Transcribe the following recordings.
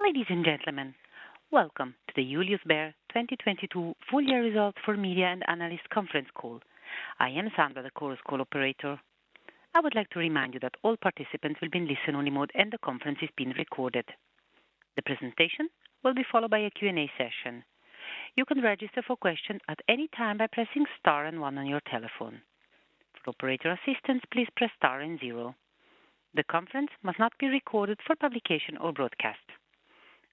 Ladies and gentlemen, welcome to the Julius Baer 2022 full year results for media and analyst conference call. I am Sandra, the Chorus Call operator. I would like to remind you that all participants will be in listen-only mode, and the conference is being recorded. The presentation will be followed by a Q&A session. You can register for question at any time by pressing star and one on your telephone. For operator assistance, please press star and zero. The conference must not be recorded for publication or broadcast.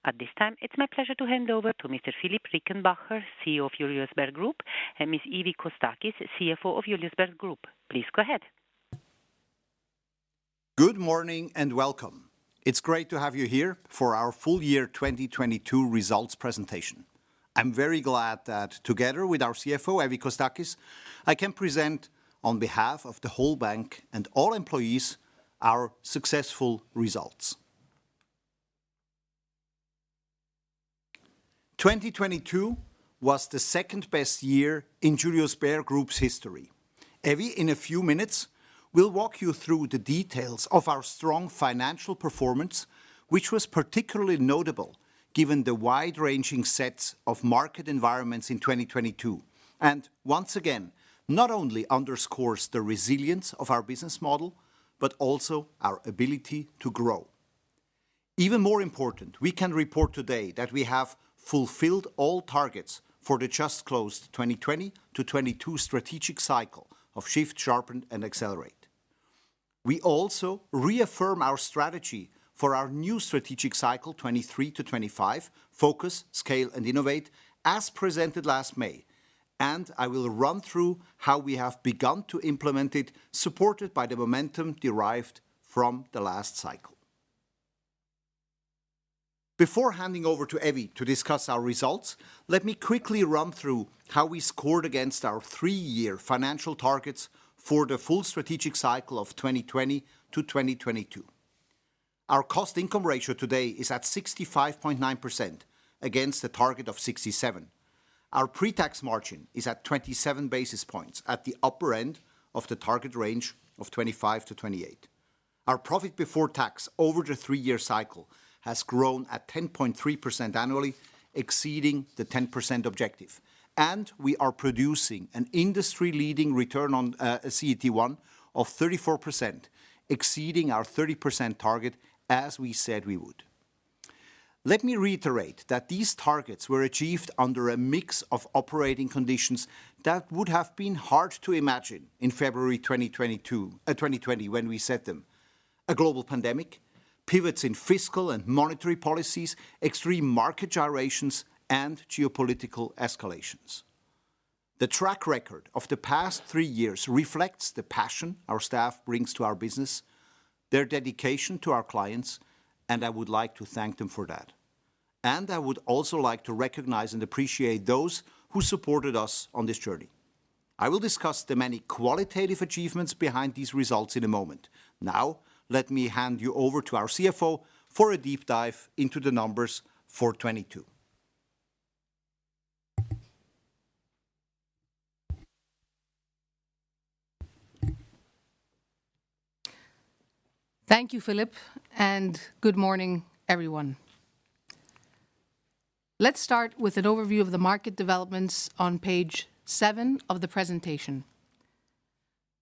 At this time, it's my pleasure to hand over to Mr Philipp Rickenbacher, CEO of Julius Baer Group, and Ms Evie Kostakis, CFO of Julius Baer Group. Please go ahead. Good morning. Welcome. It's great to have you here for our full year 2022 results presentation. I'm very glad that together with our CFO, Evie Kostakis, I can present on behalf of the whole bank and all employees our successful results. 2022 was the second-best year in Julius Baer Group's history. Evie, in a few minutes, will walk you through the details of our strong financial performance, which was particularly notable given the wide-ranging sets of market environments in 2022, and once again, not only underscores the resilience of our business model but also our ability to grow. Even more important, we can report today that we have fulfilled all targets for the just closed 2020-2022 strategic cycle of shift, sharpen and accelerate. We also reaffirm our strategy for our new strategic cycle, 2023-2025, focus, scale and innovate, as presented last May. I will run through how we have begun to implement it, supported by the momentum derived from the last cycle. Before handing over to Evie to discuss our results, let me quickly run through how we scored against our three-year financial targets for the full strategic cycle of 2020-2022. Our cost/income ratio today is at 65.9% against a target of 67%. Our pre-tax margin is at 27 basis points at the upper end of the target range of 25-28 basis points. Our PBT over the three-year cycle has grown at 10.3% annually, exceeding the 10% objective, and we are producing an industry-leading return on CET1 of 34%, exceeding our 30% target as we said we would. Let me reiterate that these targets were achieved under a mix of operating conditions that would have been hard to imagine in February 2020 when we set them. A global pandemic, pivots in fiscal and monetary policies, extreme market gyrations, and geopolitical escalations. The track record of the past three years reflects the passion our staff brings to our business, their dedication to our clients, and I would like to thank them for that. I would also like to recognize and appreciate those who supported us on this journey. I will discuss the many qualitative achievements behind these results in a moment. Let me hand you over to our CFO for a deep dive into the numbers for 2022. Thank you, Philipp. Good morning, everyone. Let's start with an overview of the market developments on page seven of the presentation.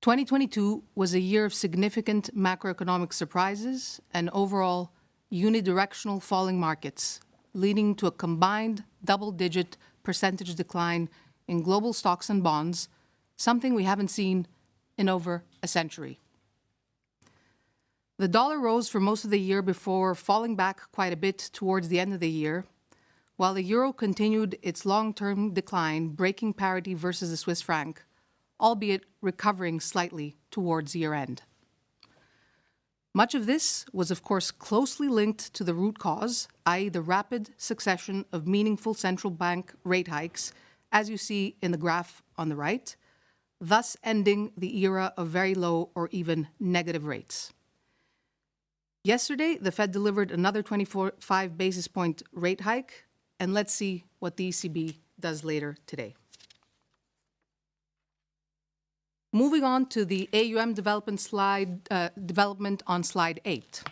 2022 was a year of significant macroeconomic surprises and overall unidirectional falling markets, leading to a combined double-digit percentage of the decline in global stocks and bonds, something we haven't seen in over a century. The dollar rose for most of the year before falling back quite a bit towards the end of the year, while the Euro continued its long-term decline, breaking parity versus the Swiss franc, albeit recovering slightly towards year-end. Much of this was of course, closely linked to the root cause, i.e., the rapid succession of meaningful central bank rate hikes, as you see in the graph on the right, thus ending the era of very low or even negative rates. Yesterday, the Fed delivered another 25 basis point rate hike. Let's see what the ECB does later today. Moving on to the AUM development. Development on slide eight.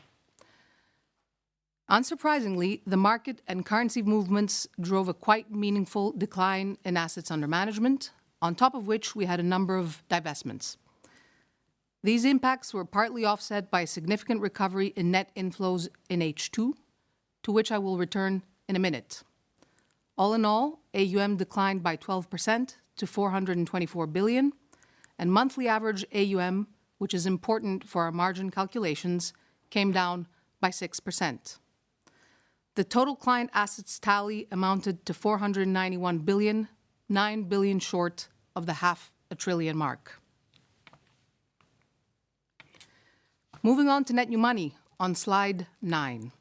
Unsurprisingly, the market and currency movements drove a quite meaningful decline in assets under management, on top of which we had a number of divestments. These impacts were partly offset by a significant recovery in net inflows in H2, to which I will return in a minute. All in all, AUM declined by 12% to 424 billion, and monthly average AUM, which is important for our margin calculations, came down by 6%. The total client assets tally amounted to 491 billion, 9 billion short of the half a trillion mark. Moving on to net new money on slide nine.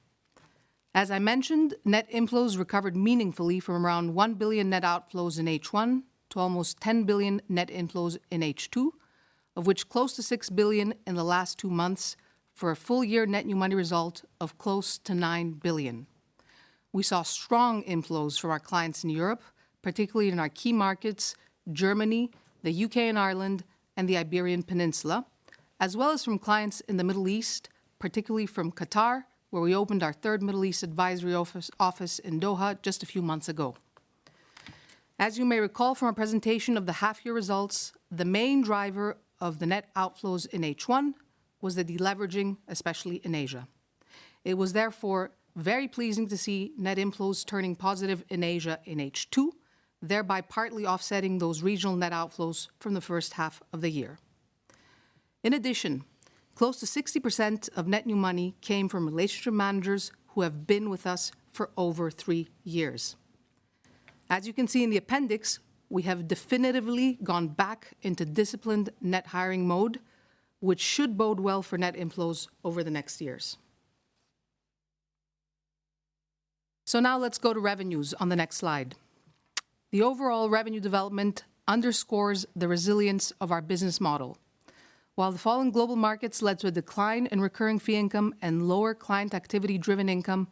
As I mentioned, net inflows recovered meaningfully from around 1 billion net outflows in H1 to almost 10 billion net inflows in H2, of which close to 6 billion in the last two months for a full-year net new money result of close to 9 billion. We saw strong inflows from our clients in Europe, particularly in our key markets, Germany, the U.K. and Ireland, and the Iberian Peninsula, as well as from clients in the Middle East, particularly from Qatar, where we opened our third Middle East advisory office in Doha just a few months ago. As you may recall from our presentation of the half year results, the main driver of the net outflows in H1 was the deleveraging, especially in Asia. It was therefore very pleasing to see net inflows turning positive in Asia in H2, thereby partly offsetting those regional net outflows from the first half of the year. In addition, close to 60% of net new money came from relationship managers who have been with us for over three years. As you can see in the appendix, we have definitively gone back into disciplined net hiring mode, which should bode well for net inflows over the next years. Now let's go to revenues on the next slide. The overall revenue development underscores the resilience of our business model. While the fall in global markets led to a decline in recurring fee income and lower client activity-driven income,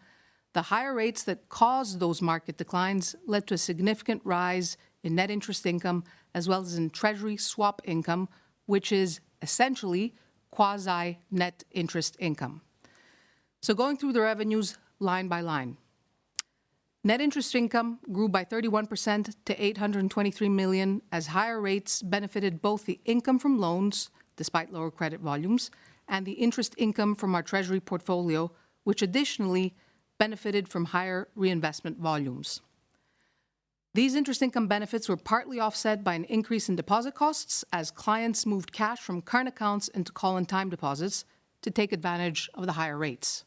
the higher rates that caused those market declines led to a significant rise in net interest income, as well as in treasury swap income, which is essentially quasi net interest income. Going through the revenues line by line. Net interest income grew by 31% to 823 million, as higher rates benefited both the income from loans, despite lower credit volumes, and the interest income from our treasury portfolio, which additionally benefited from higher reinvestment volumes. These interest income benefits were partly offset by an increase in deposit costs as clients moved cash from current accounts into call and time deposits to take advantage of the higher rates.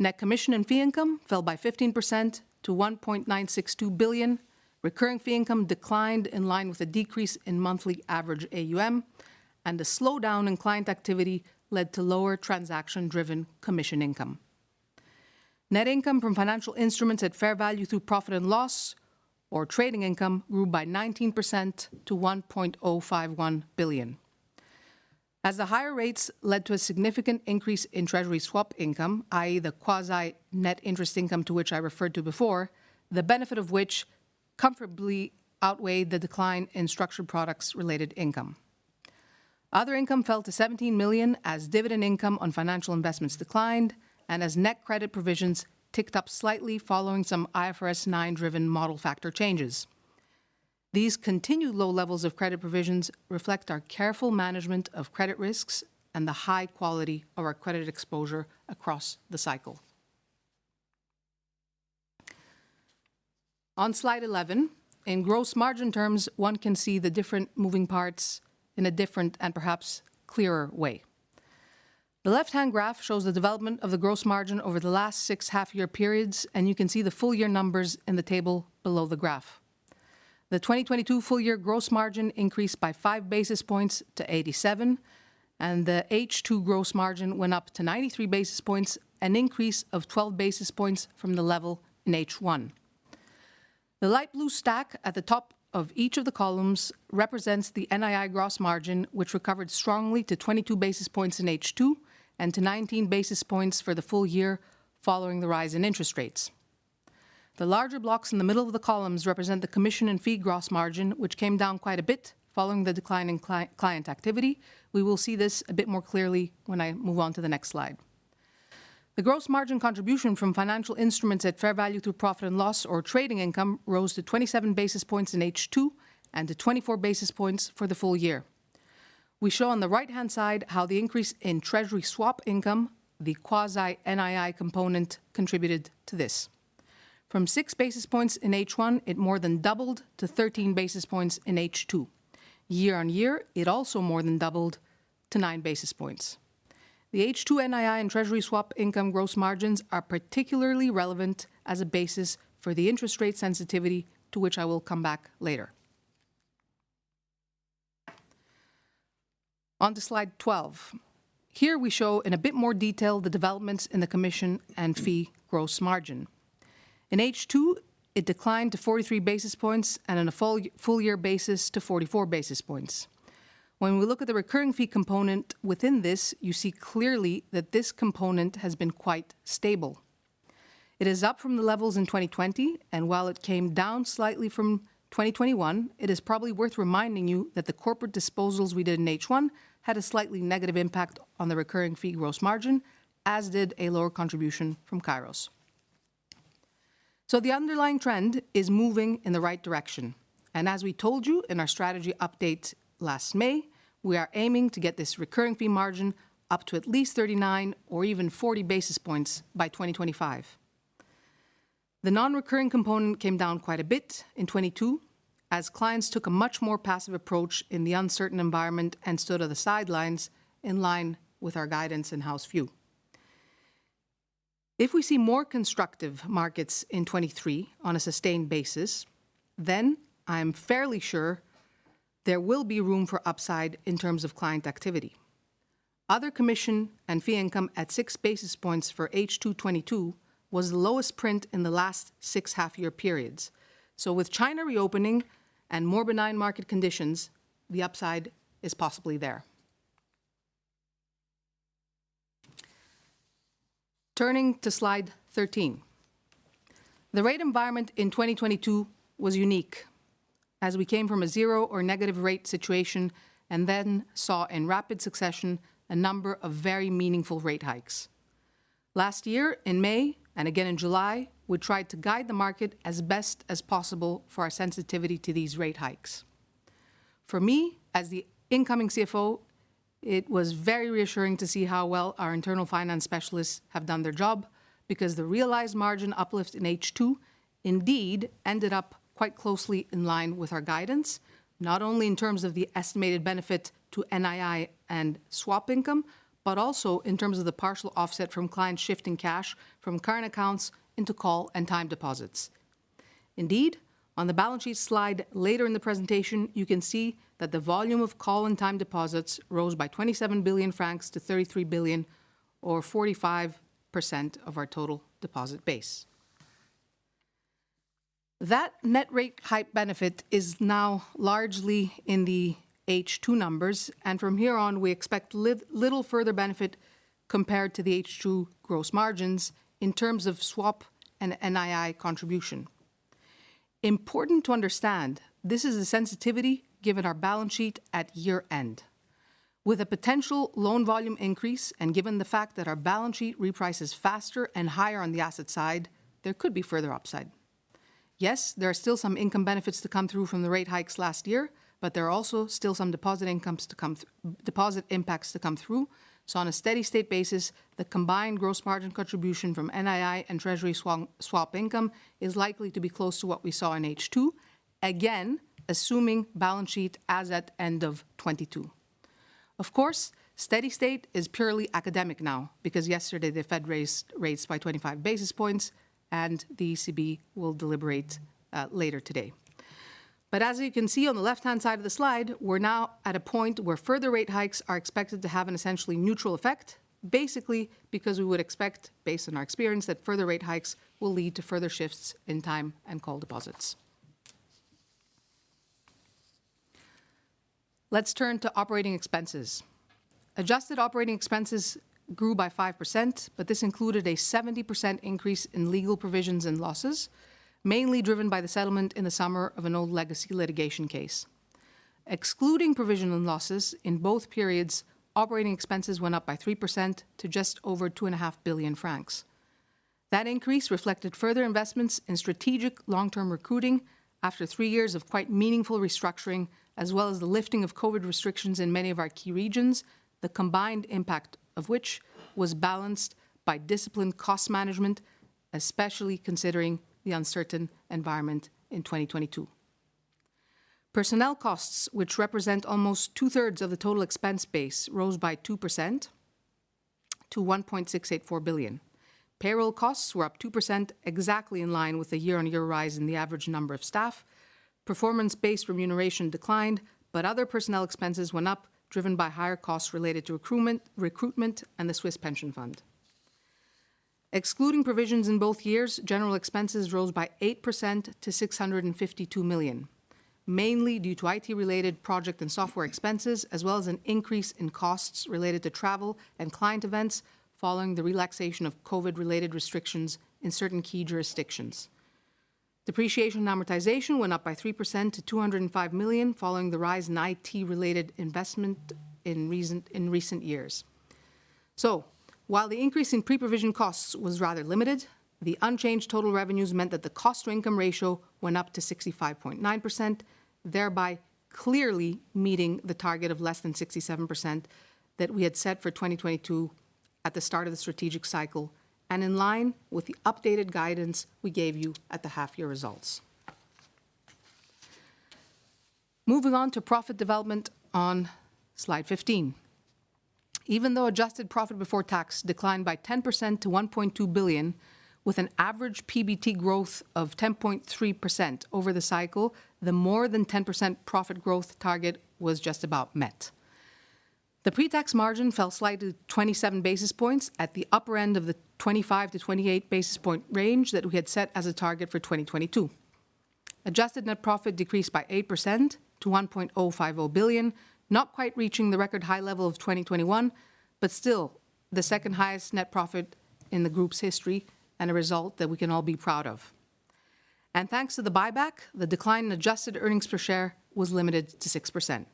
Net commission and fee income fell by 15% to 1.962 billion. Recurring fee income declined in line with a decrease in monthly average AUM, a slowdown in client activity led to lower transaction-driven commission income. Net income from financial instruments at fair value through profit and loss, or trading income, grew by 19% to 1.051 billion. The higher rates led to a significant increase in treasury swap income, i.e. the quasi net interest income to which I referred to before, the benefit of which comfortably outweighed the decline in structured products-related income. Other income fell to 17 million as dividend income on financial investments declined, as net credit provisions ticked up slightly following some IFRS 9 driven model factor changes. These continued low levels of credit provisions reflect our careful management of credit risks and the high quality of our credit exposure across the cycle. On slide 11, in gross margin terms, one can see the different moving parts in a different and perhaps clearer way. The left-hand graph shows the development of the gross margin over the last six half year periods, and you can see the full year numbers in the table below the graph. The 2022 full year gross margin increased by 5 basis points to 87, and the H2 gross margin went up to 93 basis points, an increase of 12 basis points from the level in H1. The light blue stack at the top of each of the columns represents the NII gross margin, which recovered strongly to 22 basis points in H2 and to 19 basis points for the full year following the rise in interest rates. The larger blocks in the middle of the columns represent the commission and fee gross margin, which came down quite a bit following the decline in client activity. We will see this a bit more clearly when I move on to the next slide. The gross margin contribution from financial instruments at fair value through profit and loss or trading income rose to 27 basis points in H2 and to 24 basis points for the full year. We show on the right-hand side how the increase in treasury swap income, the quasi NII component, contributed to this. From 6 basis points in H1, it more than doubled to 13 basis points in H2. Year on year, it also more than doubled to 9 basis points. The H2 NII and treasury swap income gross margins are particularly relevant as a basis for the interest rate sensitivity to which I will come back later. On to slide 12. Here we show in a bit more detail the developments in the commission and fee gross margin. In H2, it declined to 43 basis points and on a full year basis to 44 basis points. When we look at the recurring fee component within this, you see clearly that this component has been quite stable. It is up from the levels in 2020, and while it came down slightly from 2021, it is probably worth reminding you that the corporate disposals we did in H1 had a slightly negative impact on the recurring fee gross margin, as did a lower contribution from Kairos. The underlying trend is moving in the right direction, and as we told you in our strategy update last May, we are aiming to get this recurring fee margin up to at least 39 or even 40 basis points by 2025. The non-recurring component came down quite a bit in 2022 as clients took a much more passive approach in the uncertain environment and stood at the sidelines in line with our guidance and house view. If we see more constructive markets in 2023 on a sustained basis, then I am fairly sure there will be room for upside in terms of client activity. Other commission and fee income at 6 basis points for H2 2022 was the lowest print in the last six half year periods. With China reopening and more benign market conditions, the upside is possibly there. Turning to slide 13. The rate environment in 2022 was unique as we came from a zero or negative rate situation and then saw in rapid succession a number of very meaningful rate hikes. Last year in May and again in July, we tried to guide the market as best as possible for our sensitivity to these rate hikes. For me, as the incoming CFO, it was very reassuring to see how well our internal finance specialists have done their job because the realized margin uplift in H2 indeed ended up quite closely in line with our guidance, not only in terms of the estimated benefit to NII and swap income, but also in terms of the partial offset from client shifting cash from current accounts into call and time deposits. Indeed, on the balance sheet slide later in the presentation, you can see that the volume of call and time deposits rose by 27 billion-33 billion francs or 45% of our total deposit base. From here on, we expect little further benefit compared to the H2 gross margins in terms of swap and NII contribution. Important to understand, this is a sensitivity given our balance sheet at year-end. With a potential loan volume increase and given the fact that our balance sheet reprices faster and higher on the asset side, there could be further upside. Yes, there are still some income benefits to come through from the rate hikes last year, there are also still some deposit impacts to come through. On a steady-state basis, the combined gross margin contribution from NII and treasury swap income is likely to be close to what we saw in H2, again, assuming balance sheet as at end of 2022. Of course, steady state is purely academic now because yesterday the Fed raised rates by 25 basis points and the ECB will deliberate later today. As you can see on the left-hand side of the slide, we're now at a point where further rate hikes are expected to have an essentially neutral effect, basically because we would expect, based on our experience, that further rate hikes will lead to further shifts in time and call deposits. Let's turn to operating expenses. Adjusted operating expenses grew by 5%. This included a 70% increase in legal provisions and losses, mainly driven by the settlement in the summer of an old legacy litigation case. Excluding provision and losses in both periods, operating expenses went up by 3% to just over 2.5 billion francs. That increase reflected further investments in strategic long-term recruiting after three years of quite meaningful restructuring, as well as the lifting of COVID restrictions in many of our key regions, the combined impact of which was balanced by disciplined cost management, especially considering the uncertain environment in 2022. Personnel costs, which represent almost two-thirds of the total expense base, rose by 2% to 1.684 billion. Payroll costs were up 2% exactly in line with the year-on-year rise in the average number of staff. Performance-based remuneration declined, but other personnel expenses went up, driven by higher costs related to recruitment and the Swiss pension fund. Excluding provisions in both years, general expenses rose by 8% to 652 million, mainly due to IT-related project and software expenses, as well as an increase in costs related to travel and client events following the relaxation of COVID-related restrictions in certain key jurisdictions. Depreciation and amortization went up by 3% to 205 million following the rise in IT-related investment in recent years. While the increase in pre-provision costs was rather limited, the unchanged total revenues meant that the cost/income ratio went up to 65.9%, thereby clearly meeting the target of less than 67% that we had set for 2022 at the start of the strategic cycle and in line with the updated guidance we gave you at the half-year results. Moving on to profit development on slide 15. Even though adjusted profit before tax declined by 10% to 1.2 billion with an average PBT growth of 10.3% over the cycle, the more than 10% profit growth target was just about met. The pre-tax margin fell slightly 27 basis points at the upper end of the 25-28 basis point range that we had set as a target for 2022. Adjusted net profit decreased by 8% to 1.050 billion, not quite reaching the record high level of 2021, still the second highest net profit in the group's history and a result that we can all be proud of. Thanks to the buyback, the decline in adjusted earnings per share was limited to 6%.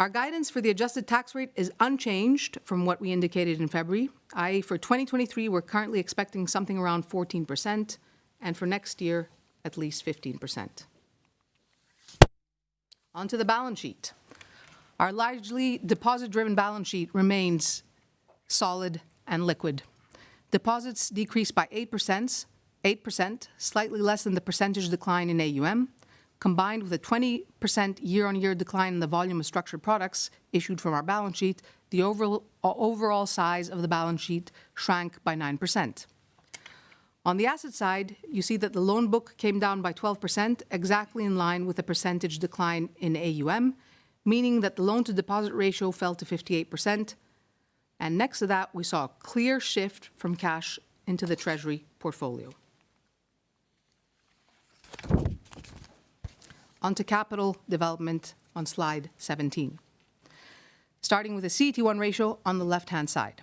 Our guidance for the adjusted tax rate is unchanged from what we indicated in February, i.e., for 2023, we're currently expecting something around 14%, and for next year, at least 15%. On to the balance sheet. Our largely deposit-driven balance sheet remains solid and liquid. Deposits decreased by 8%, slightly less than the percentage decline in AUM. Combined with a 20% year-on-year decline in the volume of structured products issued from our balance sheet, the overall size of the balance sheet shrank by 9%. On the asset side, you see that the loan book came down by 12%, exactly in line with the percentage decline in AUM, meaning that the loan-to-deposit ratio fell to 58%. Next to that, we saw a clear shift from cash into the treasury portfolio. On to capital development on slide 17. Starting with the CET1 ratio on the left-hand side.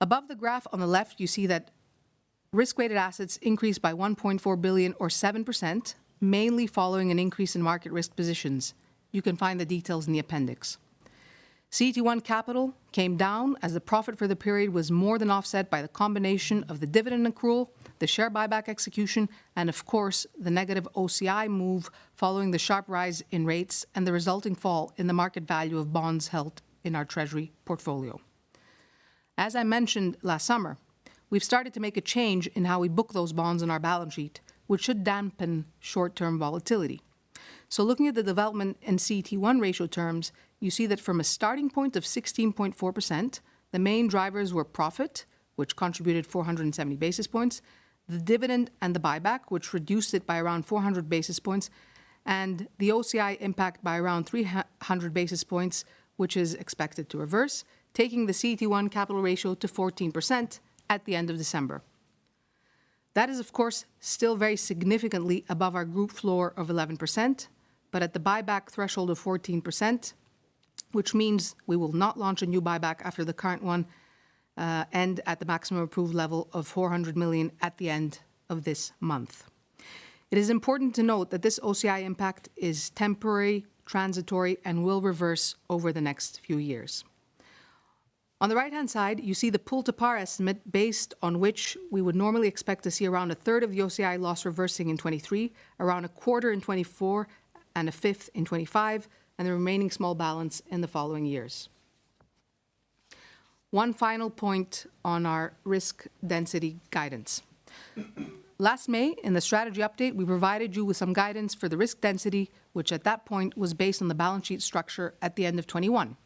Above the graph on the left, you see that risk-weighted assets increased by 1.4 billion or 7%, mainly following an increase in market risk positions. You can find the details in the appendix. CET1 capital came down as the profit for the period was more than offset by the combination of the dividend accrual, the share buyback execution, and of course, the negative OCI move following the sharp rise in rates and the resulting fall in the market value of bonds held in our treasury portfolio. As I mentioned last summer, we've started to make a change in how we book those bonds on our balance sheet, which should dampen short-term volatility. Looking at the development in CET1 ratio terms, you see that from a starting point of 16.4%, the main drivers were profit, which contributed 470 basis points, the dividend and the buyback, which reduced it by around 400 basis points, and the OCI impact by around 300 basis points, which is expected to reverse, taking the CET1 capital ratio to 14% at the end of December. That is, of course, still very significantly above our group floor of 11%, but at the buyback threshold of 14%, which means we will not launch a new buyback after the current one, and at the maximum approved level of 400 million at the end of this month. It is important to note that this OCI impact is temporary, transitory, and will reverse over the next few years. On the right-hand side, you see the pull to par estimate based on which we would normally expect to see around a third of the OCI loss reversing in 2023, around a quarter in 2024, and a fifth in 2025, and the remaining small balance in the following years. One final point on our risk density guidance. Last May, in the strategy update, we provided you with some guidance for the risk density, which at that point was based on the balance sheet structure at the end of 2021.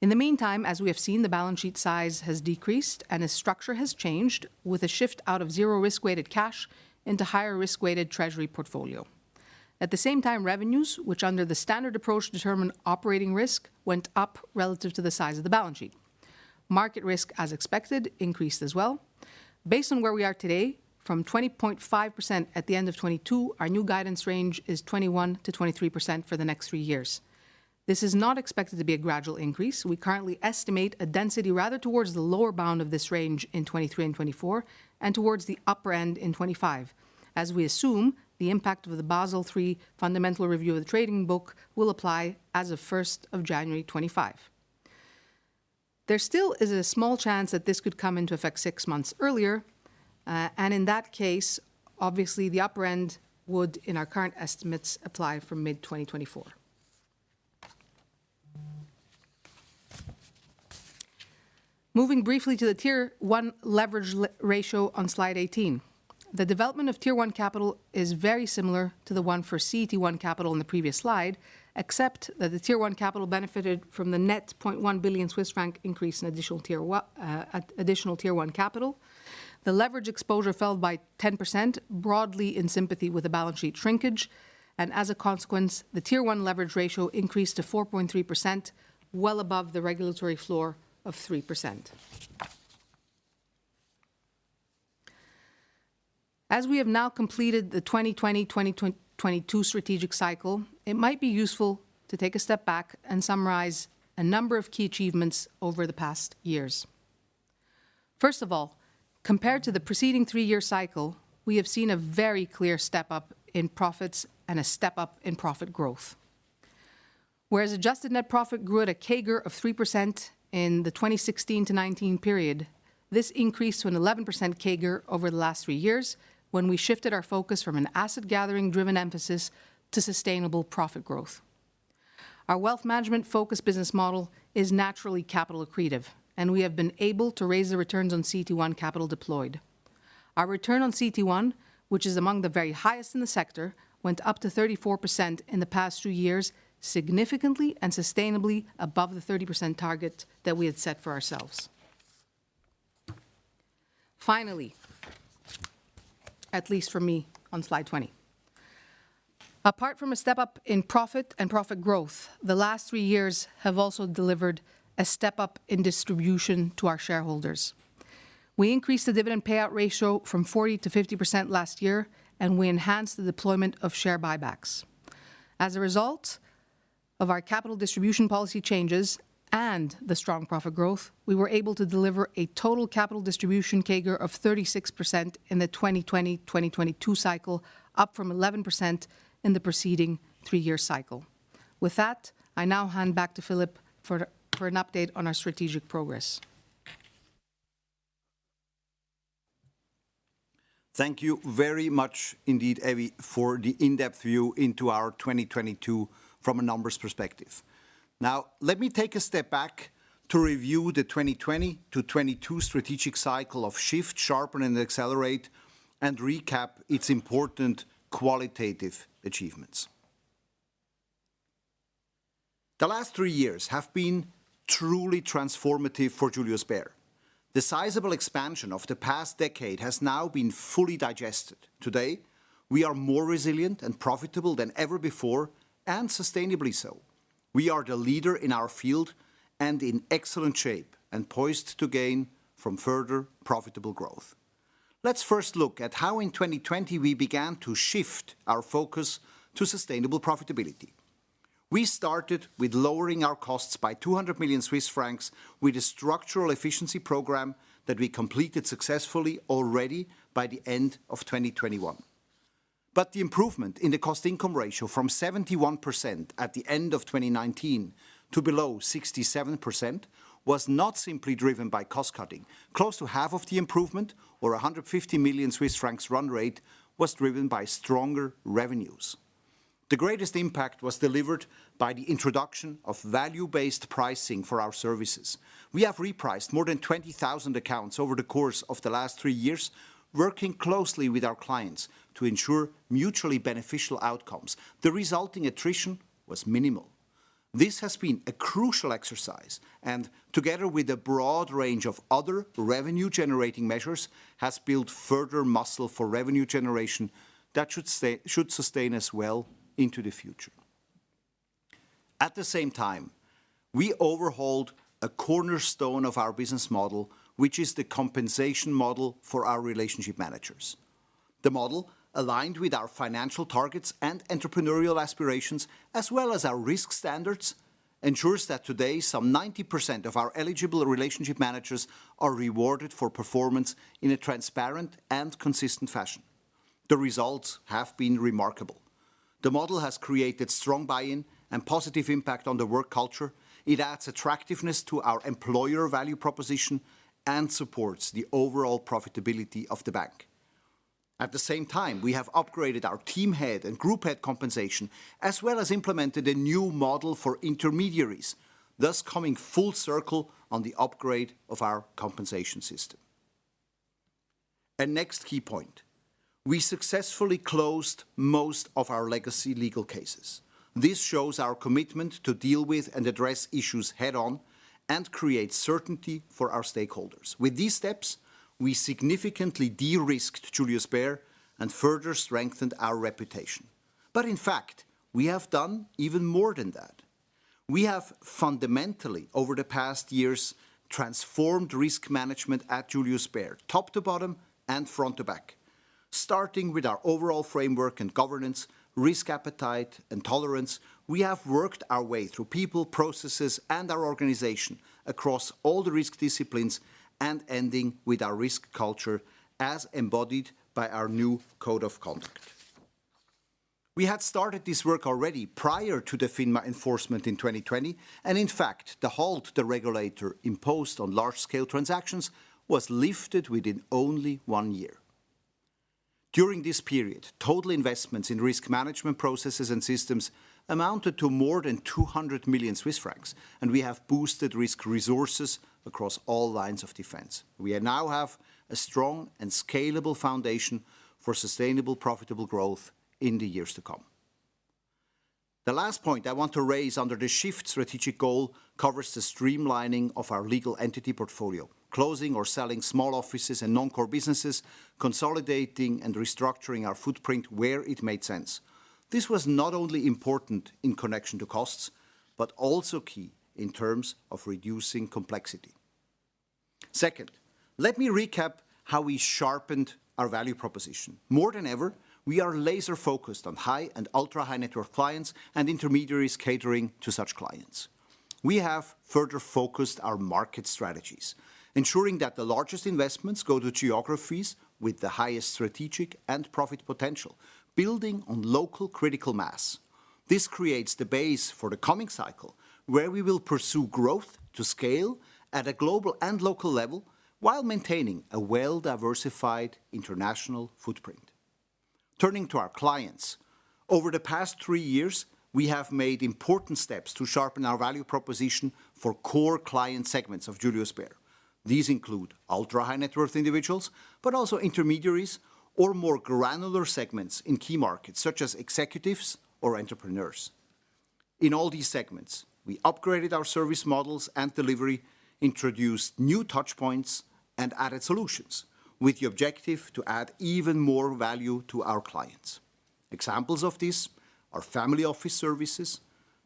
In the meantime, as we have seen, the balance sheet size has decreased and its structure has changed with a shift out of zero risk-weighted cash into higher risk-weighted treasury portfolio. At the same time, revenues, which under the Standardised Approach determine operating risk, went up relative to the size of the balance sheet. Market risk, as expected, increased as well. Based on where we are today, from 20.5% at the end of 2022, our new guidance range is 21%-23% for the next three years. This is not expected to be a gradual increase. We currently estimate a density rather towards the lower bound of this range in 2023 and 2024 and towards the upper end in 2025. As we assume, the impact of the Basel III Fundamental Review of the Trading Book will apply as of 1st of January 2025. There still is a small chance that this could come into effect six months earlier. In that case, obviously the upper end would, in our current estimates, apply from mid 2024. Moving briefly to the Tier 1 leverage ratio on slide 18. The development of Tier 1 capital is very similar to the one for CET1 capital in the previous slide, except that the Tier 1 capital benefited from the net 0.1 billion Swiss franc increase in Additional Tier 1 capital. The leverage exposure fell by 10%, broadly in sympathy with the balance sheet shrinkage, and as a consequence, the Tier 1 leverage ratio increased to 4.3%, well above the regulatory floor of 3%. As we have now completed the 2020-2022 strategic cycle, it might be useful to take a step back and summarize a number of key achievements over the past years. First of all, compared to the preceding three-year cycle, we have seen a very clear step-up in profits and a step-up in profit growth. Adjusted net profit grew at a CAGR of 3% in the 2016-2019 period, this increased to an 11% CAGR over the last three years when we shifted our focus from an asset-gathering-driven emphasis to sustainable profit growth. Our wealth management-focused business model is naturally capital accretive, and we have been able to raise the returns on CET1 capital deployed. Our return on CET1, which is among the very highest in the sector, went up to 34% in the past two years, significantly and sustainably above the 30% target that we had set for ourselves. Finally, at least for me on slide 20. Apart from a step-up in profit and profit growth, the last three years have also delivered a step-up in distribution to our shareholders. We increased the dividend payout ratio from 40%-50% last year, and we enhanced the deployment of share buybacks. As a result of our capital distribution policy changes and the strong profit growth, we were able to deliver a total capital distribution CAGR of 36% in the 2020-2022 cycle, up from 11% in the preceding three year cycle. With that, I now hand back to Philipp for an update on our strategic progress. Thank you very much indeed, Evie, for the in-depth view into our 2022 from a numbers perspective. Let me take a step back to review the 2020-2022 strategic cycle of shift, sharpen and accelerate and recap its important qualitative achievements. The last three years have been truly transformative for Julius Baer. The sizable expansion of the past decade has now been fully digested. Today, we are more resilient and profitable than ever before, and sustainably so. We are the leader in our field and in excellent shape and poised to gain from further profitable growth. Let's first look at how in 2020 we began to shift our focus to sustainable profitability. We started with lowering our costs by 200 million Swiss francs with a structural efficiency program that we completed successfully already by the end of 2021. The improvement in the cost/income ratio from 71% at the end of 2019 to below 67% was not simply driven by cost-cutting. Close to half of the improvement or 150 million Swiss francs run rate was driven by stronger revenues. The greatest impact was delivered by the introduction of value-based pricing for our services. We have repriced more than 20,000 accounts over the course of the last three years, working closely with our clients to ensure mutually beneficial outcomes. The resulting attrition was minimal. This has been a crucial exercise, and together with a broad range of other revenue generating measures, has built further muscle for revenue generation that should sustain us well into the future. At the same time, we overhauled a cornerstone of our business model, which is the compensation model for our relationship managers. The model, aligned with our financial targets and entrepreneurial aspirations, as well as our risk standards, ensures that today some 90% of our eligible relationship managers are rewarded for performance in a transparent and consistent fashion. The results have been remarkable. The model has created strong buy-in and positive impact on the work culture. It adds attractiveness to our employer value proposition and supports the overall profitability of the bank. At the same time, we have upgraded our team head and group head compensation, as well as implemented a new model for intermediaries, thus coming full circle on the upgrade of our compensation system. A next key point, we successfully closed most of our legacy legal cases. This shows our commitment to deal with and address issues head-on and create certainty for our stakeholders. With these steps, we significantly de-risked Julius Baer and further strengthened our reputation. In fact, we have done even more than that. We have fundamentally, over the past years, transformed risk management at Julius Baer, top to bottom and front to back. Starting with our overall framework and governance, risk appetite and tolerance, we have worked our way through people, processes, and our organization across all the risk disciplines and ending with our risk culture as embodied by our new code of conduct. We had started this work already prior to the FINMA enforcement in 2020, and in fact, the halt the regulator imposed on large scale transactions was lifted within only one year. During this period, total investments in risk management processes and systems amounted to more than 200 million Swiss francs, and we have boosted risk resources across all lines of defense. We now have a strong and scalable foundation for sustainable profitable growth in the years to come. The last point I want to raise under the Shift strategic goal covers the streamlining of our legal entity portfolio, closing or selling small offices and non-core businesses, consolidating and restructuring our footprint where it made sense. This was not only important in connection to costs, but also key in terms of reducing complexity. Second, let me recap how we sharpened our value proposition. More than ever, we are laser-focused on high and ultra-high net worth clients and intermediaries catering to such clients. We have further focused our market strategies, ensuring that the largest investments go to geographies with the highest strategic and profit potential, building on local critical mass. This creates the base for the coming cycle, where we will pursue growth to scale at a global and local level while maintaining a well-diversified international footprint. Turning to our clients, over the past three years, we have made important steps to sharpen our value proposition for core client segments of Julius Baer. These include ultra high net worth individuals, but also intermediaries or more granular segments in key markets, such as executives or entrepreneurs. In all these segments, we upgraded our service models and delivery, introduced new touch points and added solutions with the objective to add even more value to our clients. Examples of this are family office services,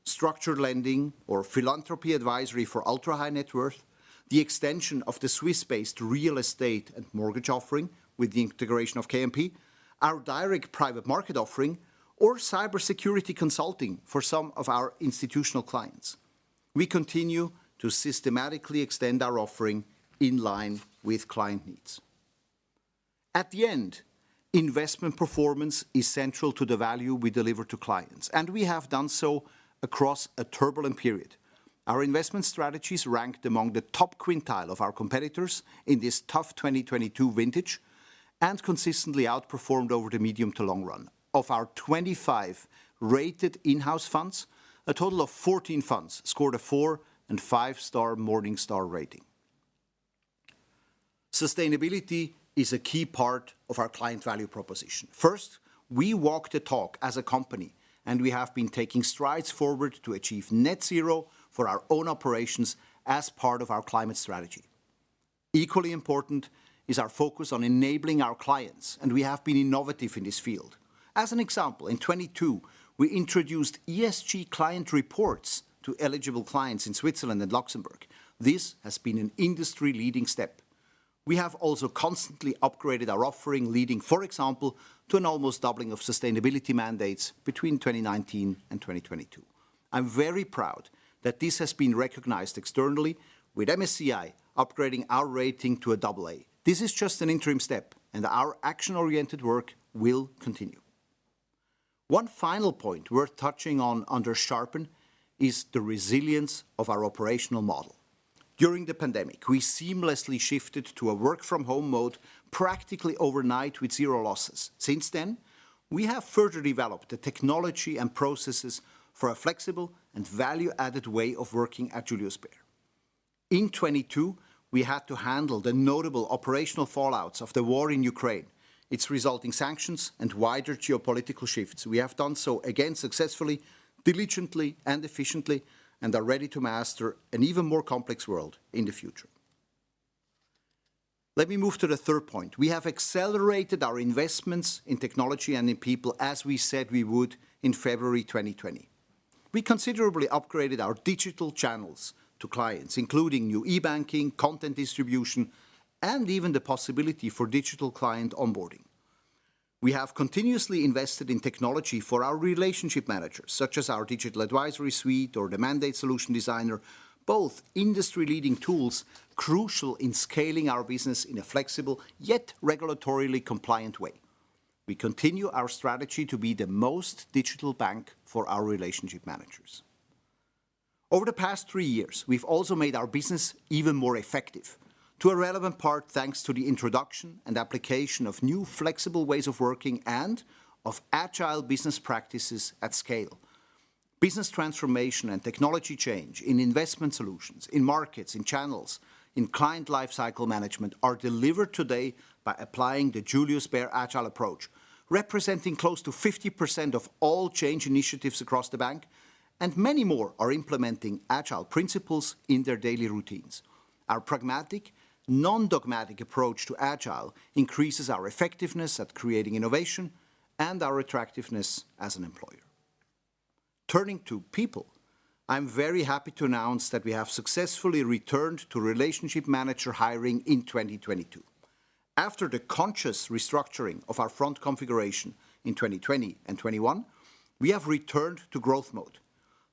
structured lending or philanthropy advisory for ultra high net worth, the extension of the Swiss-based real estate and mortgage offering with the integration of KMP, our direct private market offering or cybersecurity consulting for some of our institutional clients. We continue to systematically extend our offering in line with client needs. At the end, investment performance is central to the value we deliver to clients, and we have done so across a turbulent period. Our investment strategies ranked among the top quintile of our competitors in this tough 2022 vintage and consistently outperformed over the medium to long run. Of our 25 rated in-house funds, a total of 14 funds scored a four and five star Morningstar rating. Sustainability is a key part of our client value proposition. First, we walk the talk as a company, and we have been taking strides forward to achieve net zero for our own operations as part of our climate strategy. Equally important is our focus on enabling our clients, and we have been innovative in this field. As an example, in 2022 we introduced ESG client reports to eligible clients in Switzerland and Luxembourg. This has been an industry-leading step. We have also constantly upgraded our offering, leading, for example, to an almost doubling of sustainability mandates between 2019 and 2022. I'm very proud that this has been recognized externally with MSCI upgrading our rating to a AA. This is just an interim step, and our action-oriented work will continue. One final point worth touching on under sharpen is the resilience of our operational model. During the pandemic, we seamlessly shifted to a work from home mode practically overnight with zero losses. Since then, we have further developed the technology and processes for a flexible and value-added way of working at Julius Baer. In 2022, we had to handle the notable operational fallouts of the war in Ukraine, its resulting sanctions, and wider geopolitical shifts. We have done so again successfully, diligently, and efficiently, and are ready to master an even more complex world in the future. Let me move to the third point. We have accelerated our investments in technology and in people as we said we would in February 2020. We considerably upgraded our digital channels to clients, including new e-banking, content distribution, and even the possibility for digital client onboarding. We have continuously invested in technology for our relationship managers, such as our Digital Advisory Suite or the Mandate Solution Designer, both industry-leading tools crucial in scaling our business in a flexible yet regulatorily compliant way. We continue our strategy to be the most digital bank for our relationship managers. Over the past three years, we've also made our business even more effective to a relevant part, thanks to the introduction and application of new flexible ways of working and of agile business practices at scale. Business transformation and technology change in investment solutions, in markets, in channels, in client lifecycle management are delivered today by applying the Julius Baer Agile Approach, representing close to 50% of all change initiatives across the bank, and many more are implementing agile principles in their daily routines. Our pragmatic, non-dogmatic approach to agile increases our effectiveness at creating innovation and our attractiveness as an employer. Turning to people, I'm very happy to announce that we have successfully returned to relationship manager hiring in 2022. After the conscious restructuring of our front configuration in 2020 and 2021, we have returned to growth mode.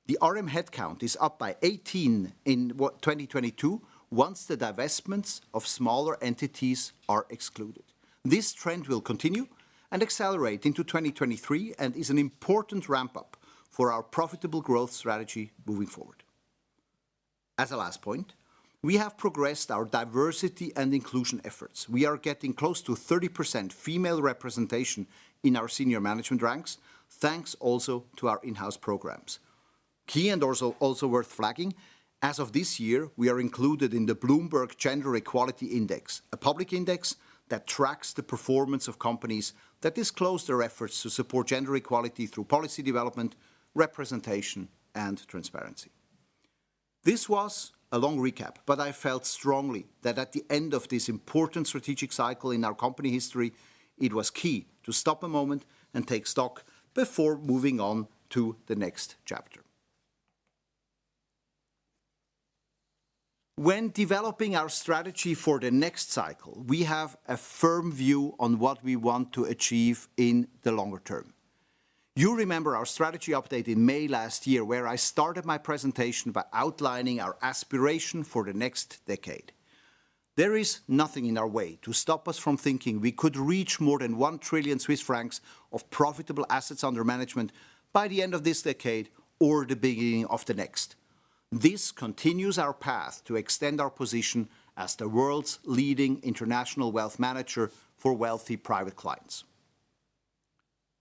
The RM headcount is up by 18 in 2022 once the divestments of smaller entities are excluded. This trend will continue and accelerate into 2023 and is an important ramp-up for our profitable growth strategy moving forward. As a last point, we have progressed our diversity and inclusion efforts. We are getting close to 30% female representation in our senior management ranks, thanks also to our in-house programs. Key, also worth flagging, as of this year, we are included in the Bloomberg Gender-Equality Index, a public index that tracks the performance of companies that disclose their efforts to support gender equality through policy development, representation, and transparency. This was a long recap, but I felt strongly that at the end of this important strategic cycle in our company history, it was key to stop a moment and take stock before moving on to the next chapter. When developing our strategy for the next cycle, we have a firm view on what we want to achieve in the longer term. You remember our strategy update in May last year, where I started my presentation by outlining our aspiration for the next decade. There is nothing in our way to stop us from thinking we could reach more than 1 trillion Swiss francs of profitable assets under management by the end of this decade or the beginning of the next. This continues our path to extend our position as the world's leading international wealth manager for wealthy private clients.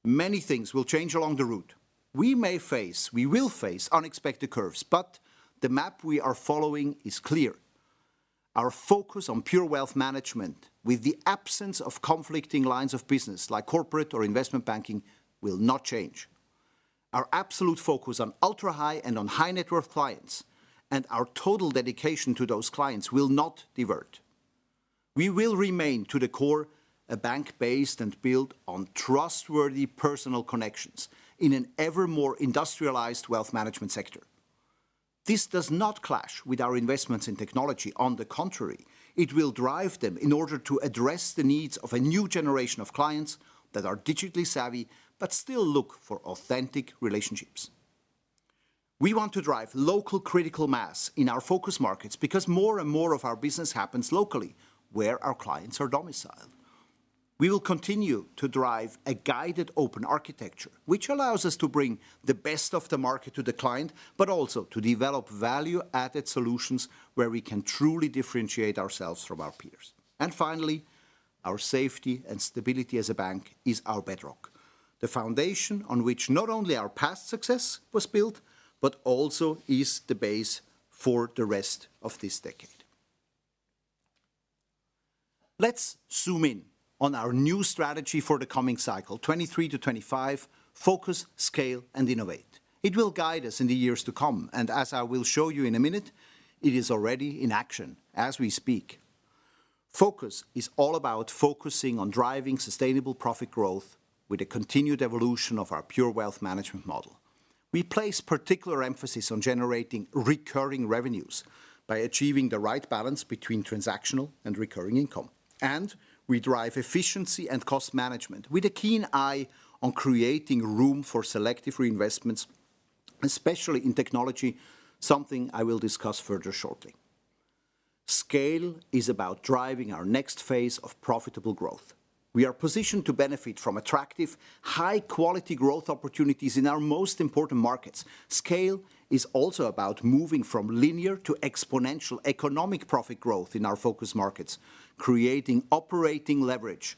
Many things will change along the route. We may face, we will face unexpected curves, but the map we are following is clear. Our focus on pure wealth management with the absence of conflicting lines of business like corporate or investment banking will not change. Our absolute focus on ultra-high and on high net worth clients and our total dedication to those clients will not divert. We will remain to the core a bank based and built on trustworthy personal connections in an ever more industrialized wealth management sector. This does not clash with our investments in technology. On the contrary, it will drive them in order to address the needs of a new generation of clients that are digitally savvy but still look for authentic relationships. We want to drive local critical mass in our focus markets because more and more of our business happens locally, where our clients are domiciled. We will continue to drive a guided open architecture, which allows us to bring the best of the market to the client, but also to develop value-added solutions where we can truly differentiate ourselves from our peers. Finally, our safety and stability as a bank is our bedrock, the foundation on which not only our past success was built, but also is the base for the rest of this decade. Let's zoom in on our new strategy for the coming cycle, 2023-2025: focus, scale and innovate. It will guide us in the years to come, and as I will show you in a minute, it is already in action as we speak. Focus is all about focusing on driving sustainable profit growth with the continued evolution of our pure wealth management model. We place particular emphasis on generating recurring revenues by achieving the right balance between transactional and recurring income. We drive efficiency and cost management with a keen eye on creating room for selective reinvestments, especially in technology, something I will discuss further shortly. Scale is about driving our next phase of profitable growth. We are positioned to benefit from attractive, high quality growth opportunities in our most important markets. Scale is also about moving from linear to exponential economic profit growth in our focus markets, creating operating leverage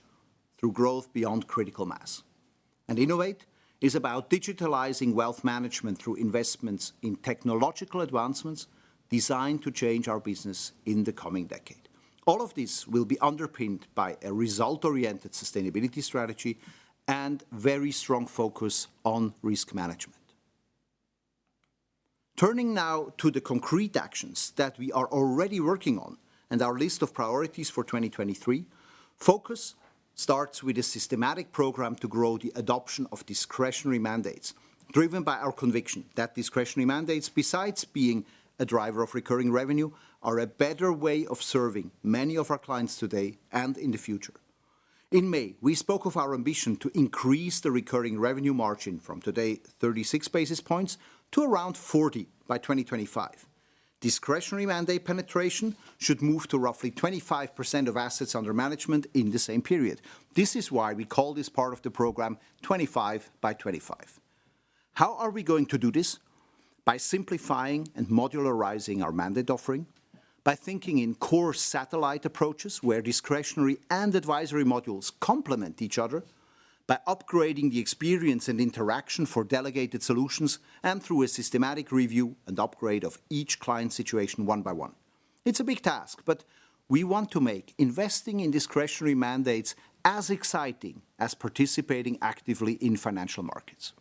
through growth beyond critical mass. Innovate is about digitalizing wealth management through investments in technological advancements designed to change our business in the coming decade. All of this will be underpinned by a result-oriented sustainability strategy and very strong focus on risk management. Turning now to the concrete actions that we are already working on and our list of priorities for 2023, Focus starts with a systematic program to grow the adoption of discretionary mandates, driven by our conviction that discretionary mandates, besides being a driver of recurring revenue, are a better way of serving many of our clients today and in the future. In May, we spoke of our ambition to increase the recurring revenue margin from today 36 basis points to around 40 by 2025. Discretionary mandate penetration should move to roughly 25% of assets under management in the same period. This is why we call this part of the program 25 by 25. How are we going to do this? By simplifying and modularizing our mandate offering, by thinking in core satellite approaches where discretionary and advisory modules complement each other, by upgrading the experience and interaction for delegated solutions, through a systematic review and upgrade of each client situation one by one. It's a big task. We want to make investing in discretionary mandates as exciting as participating actively in financial markets.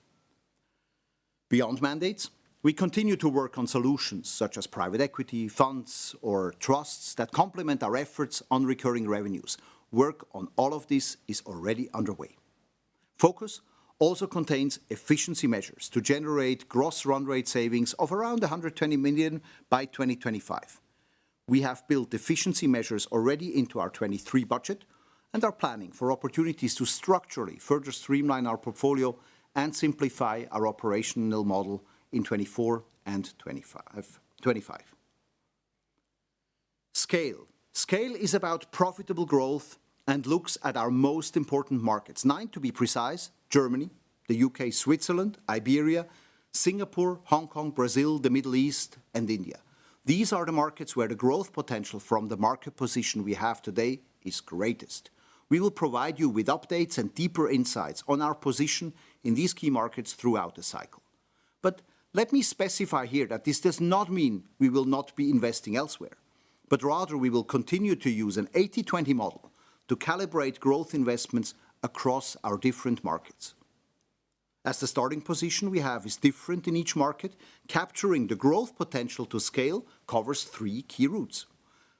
Beyond mandates, we continue to work on solutions such as private equity, funds, or trusts that complement our efforts on recurring revenues. Work on all of this is already underway. Focus also contains efficiency measures to generate gross run rate savings of around 120 million by 2025. We have built efficiency measures already into our 2023 budget and are planning for opportunities to structurally further streamline our portfolio and simplify our operational model in 2024 and 2025. Scale. Scale is about profitable growth and looks at our most important markets. Nine to be precise, Germany, the U.K., Switzerland, Iberia, Singapore, Hong Kong, Brazil, the Middle East, and India. These are the markets where the growth potential from the market position we have today is greatest. We will provide you with updates and deeper insights on our position in these key markets throughout the cycle. Let me specify here that this does not mean we will not be investing elsewhere, but rather we will continue to use an 80/20 model to calibrate growth investments across our different markets. As the starting position we have is different in each market, capturing the growth potential to scale covers three key routes.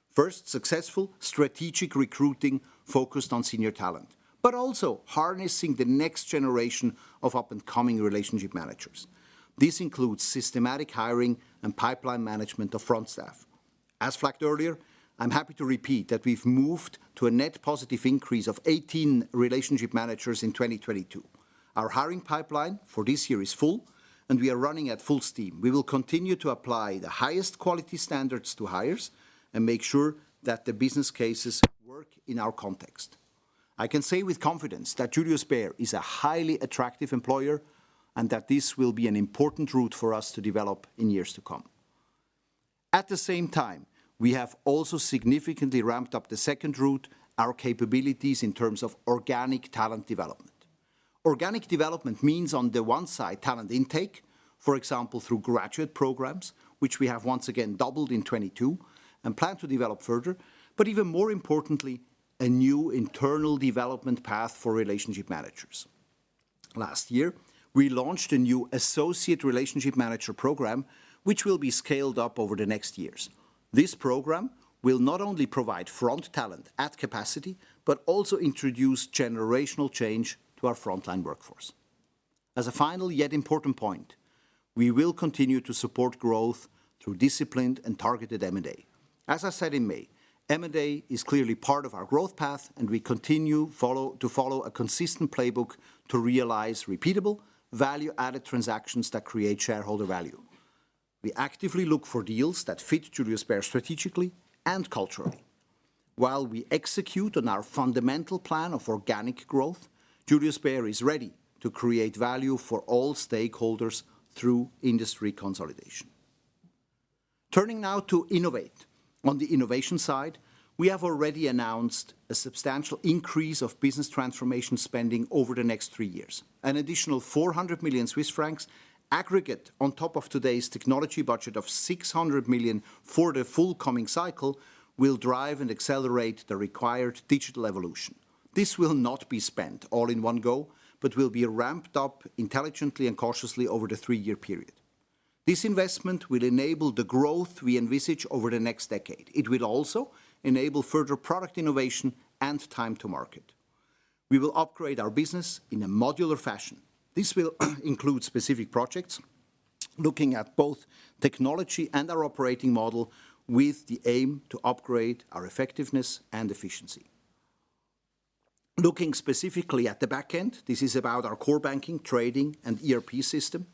First, successful strategic recruiting focused on senior talent, but also harnessing the next generation of up-and-coming relationship managers. This includes systematic hiring and pipeline management of front staff. As flagged earlier, I'm happy to repeat that we've moved to a net positive increase of 18 relationship managers in 2022. Our hiring pipeline for this year is full. We are running at full steam. We will continue to apply the highest quality standards to hires and make sure that the business cases work in our context. I can say with confidence that Julius Baer is a highly attractive employer and that this will be an important route for us to develop in years to come. At the same time, we have also significantly ramped up the second route, our capabilities in terms of organic talent development. Organic development means on the one side, talent intake, for example, through graduate programs, which we have once again doubled in 2022 and plan to develop further, but even more importantly, a new internal development path for relationship managers. Last year, we launched a new associate relationship manager program, which will be scaled up over the next years. This program will not only provide front talent at capacity, but also introduce generational change to our frontline workforce. As a final yet important point, we will continue to support growth through disciplined and targeted M&A. As I said in May, M&A is clearly part of our growth path, and we continue to follow a consistent playbook to realize repeatable value-added transactions that create shareholder value. We actively look for deals that fit Julius Baer strategically and culturally. While we execute on our fundamental plan of organic growth, Julius Baer is ready to create value for all stakeholders through industry consolidation. Turning now to innovate. On the innovation side, we have already announced a substantial increase of business transformation spending over the next three years. An additional 400 million Swiss francs aggregate on top of today's technology budget of 600 million for the full coming cycle will drive and accelerate the required digital evolution. This will not be spent all in one go, but will be ramped up intelligently and cautiously over the three-year period. This investment will enable the growth we envisage over the next decade. It will also enable further product innovation and time to market. We will upgrade our business in a modular fashion. This will include specific projects, looking at both technology and our operating model with the aim to upgrade our effectiveness and efficiency. Looking specifically at the back end, this is about our core banking, trading, and ERP system.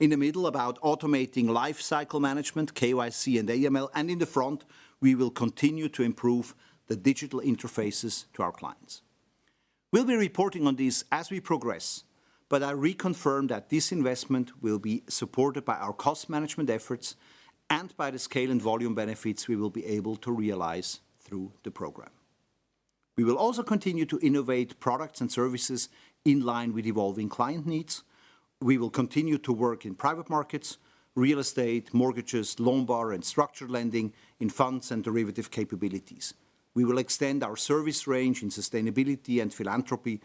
In the middle, about automating life cycle management, KYC and AML. In the front, we will continue to improve the digital interfaces to our clients. We'll be reporting on this as we progress, but I reconfirm that this investment will be supported by our cost management efforts and by the scale and volume benefits we will be able to realize through the program. We will also continue to innovate products and services in line with evolving client needs. We will continue to work in private markets, real estate, mortgages, Lombard, and structured lending in funds and derivative capabilities. We will extend our service range in sustainability and philanthropy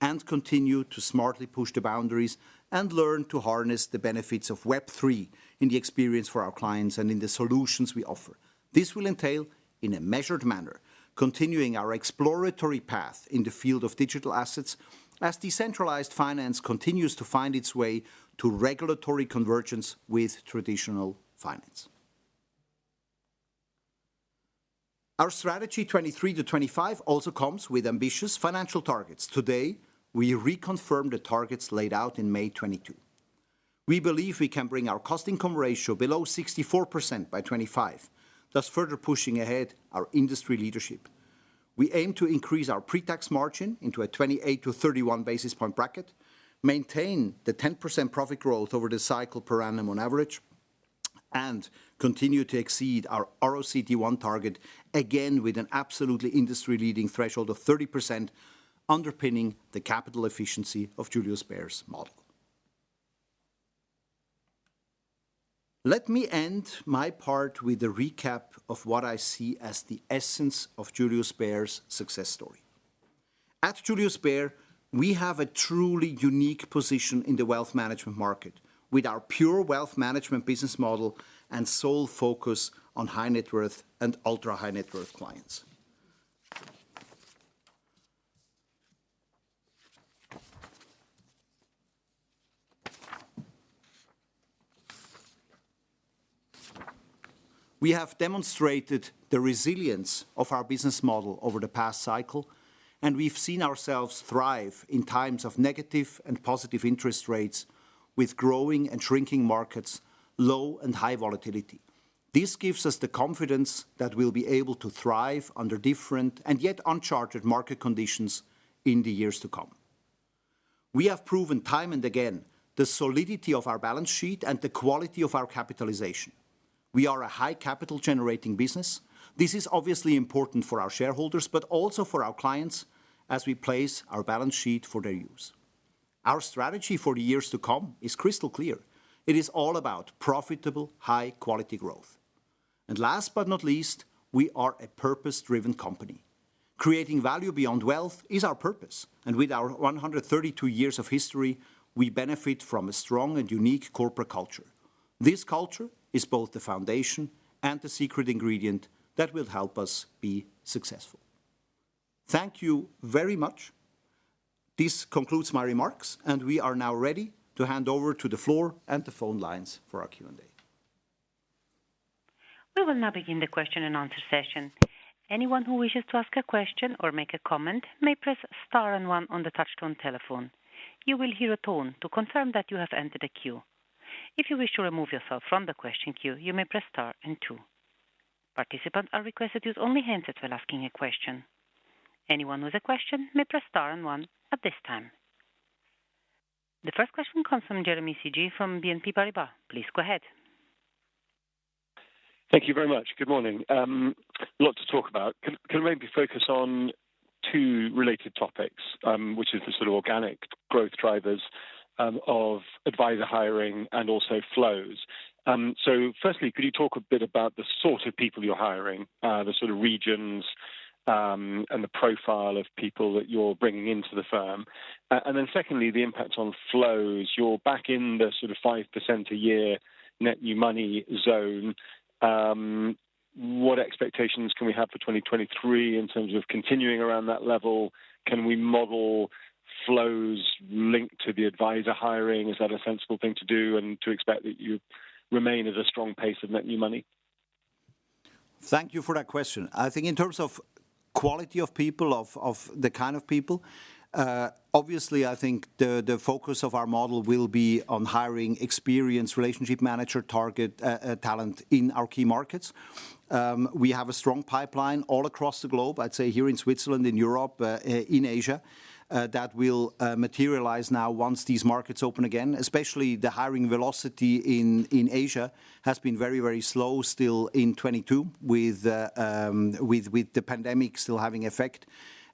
and continue to smartly push the boundaries and learn to harness the benefits of Web3 in the experience for our clients and in the solutions we offer. This will entail, in a measured manner, continuing our exploratory path in the field of digital assets as decentralized finance continues to find its way to regulatory convergence with traditional finance. Our Strategy 2023-2025 also comes with ambitious financial targets. Today, we reconfirm the targets laid out in May 2022. We believe we can bring our cost-income ratio below 64% by 2025, thus further pushing ahead our industry leadership. We aim to increase our pre-tax margin into a 28-31 basis point bracket, maintain the 10% profit growth over the cycle per annum on average, and continue to exceed our RoCET1 target, again with an absolutely industry-leading threshold of 30% underpinning the capital efficiency of Julius Baer's model. Let me end my part with a recap of what I see as the essence of Julius Baer's success story. At Julius Baer, we have a truly unique position in the wealth management market with our pure wealth management business model and sole focus on high net worth and ultra-high net worth clients. We have demonstrated the resilience of our business model over the past cycle, and we've seen ourselves thrive in times of negative and positive interest rates with growing and shrinking markets, low and high volatility. This gives us the confidence that we'll be able to thrive under different and yet uncharted market conditions in the years to come. We have proven time and again the solidity of our balance sheet and the quality of our capitalization. We are a high capital generating business. This is obviously important for our shareholders, but also for our clients as we place our balance sheet for their use. Our strategy for the years to come is crystal clear. It is all about profitable, high-quality growth. Last but not least, we are a purpose-driven company. Creating value beyond wealth is our purpose. With our 132 years of history, we benefit from a strong and unique corporate culture. This culture is both the foundation and the secret ingredient that will help us be successful. Thank you very much. This concludes my remarks, and we are now ready to hand over to the floor and the phone lines for our Q&A. We will now begin the question-and-answer session. Anyone who wishes to ask a question or make a comment may press star and one on the touchtone telephone. You will hear a tone to confirm that you have entered a queue. If you wish to remove yourself from the question queue, you may press star and two. Participants are requested to use only handsets when asking a question. Anyone with a question may press star and one at this time. The first question comes from Jeremy Sigee from BNP Paribas. Please go ahead. Thank you very much. Good morning. Lot to talk about. Can we maybe focus on two related topics, which is the sort of organic growth drivers of advisor hiring and also flows. Firstly, could you talk a bit about the sort of people you're hiring, the sort of regions, and the profile of people that you're bringing into the firm? Secondly, the impact on flows. You're back in the sort of 5% a year net new money zone. What expectations can we have for 2023 in terms of continuing around that level? Can we model flows linked to the advisor hiring? Is that a sensible thing to do and to expect that you remain at a strong pace of net new money? Thank you for that question. I think in terms of quality of people, of the kind of people, obviously, I think the focus of our model will be on hiring experienced relationship manager target talent in our key markets. We have a strong pipeline all across the globe, I'd say here in Switzerland, in Europe, in Asia, that will materialize now once these markets open again. Especially the hiring velocity in Asia has been very, very slow still in 2022 with the pandemic still having effect,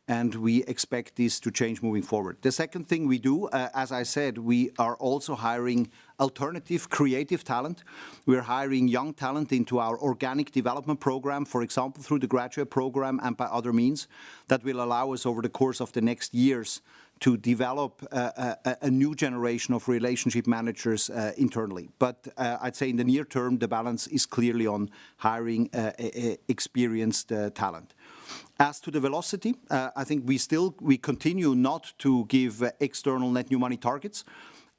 and we expect this to change moving forward. The second thing we do, as I said, we are also hiring alternative creative talent. We are hiring young talent into our organic development program, for example, through the graduate program and by other means that will allow us over the course of the next years to develop a new generation of relationship managers internally. I'd say in the near term, the balance is clearly on hiring experienced talent. As to the velocity, I think we continue not to give external net new money targets.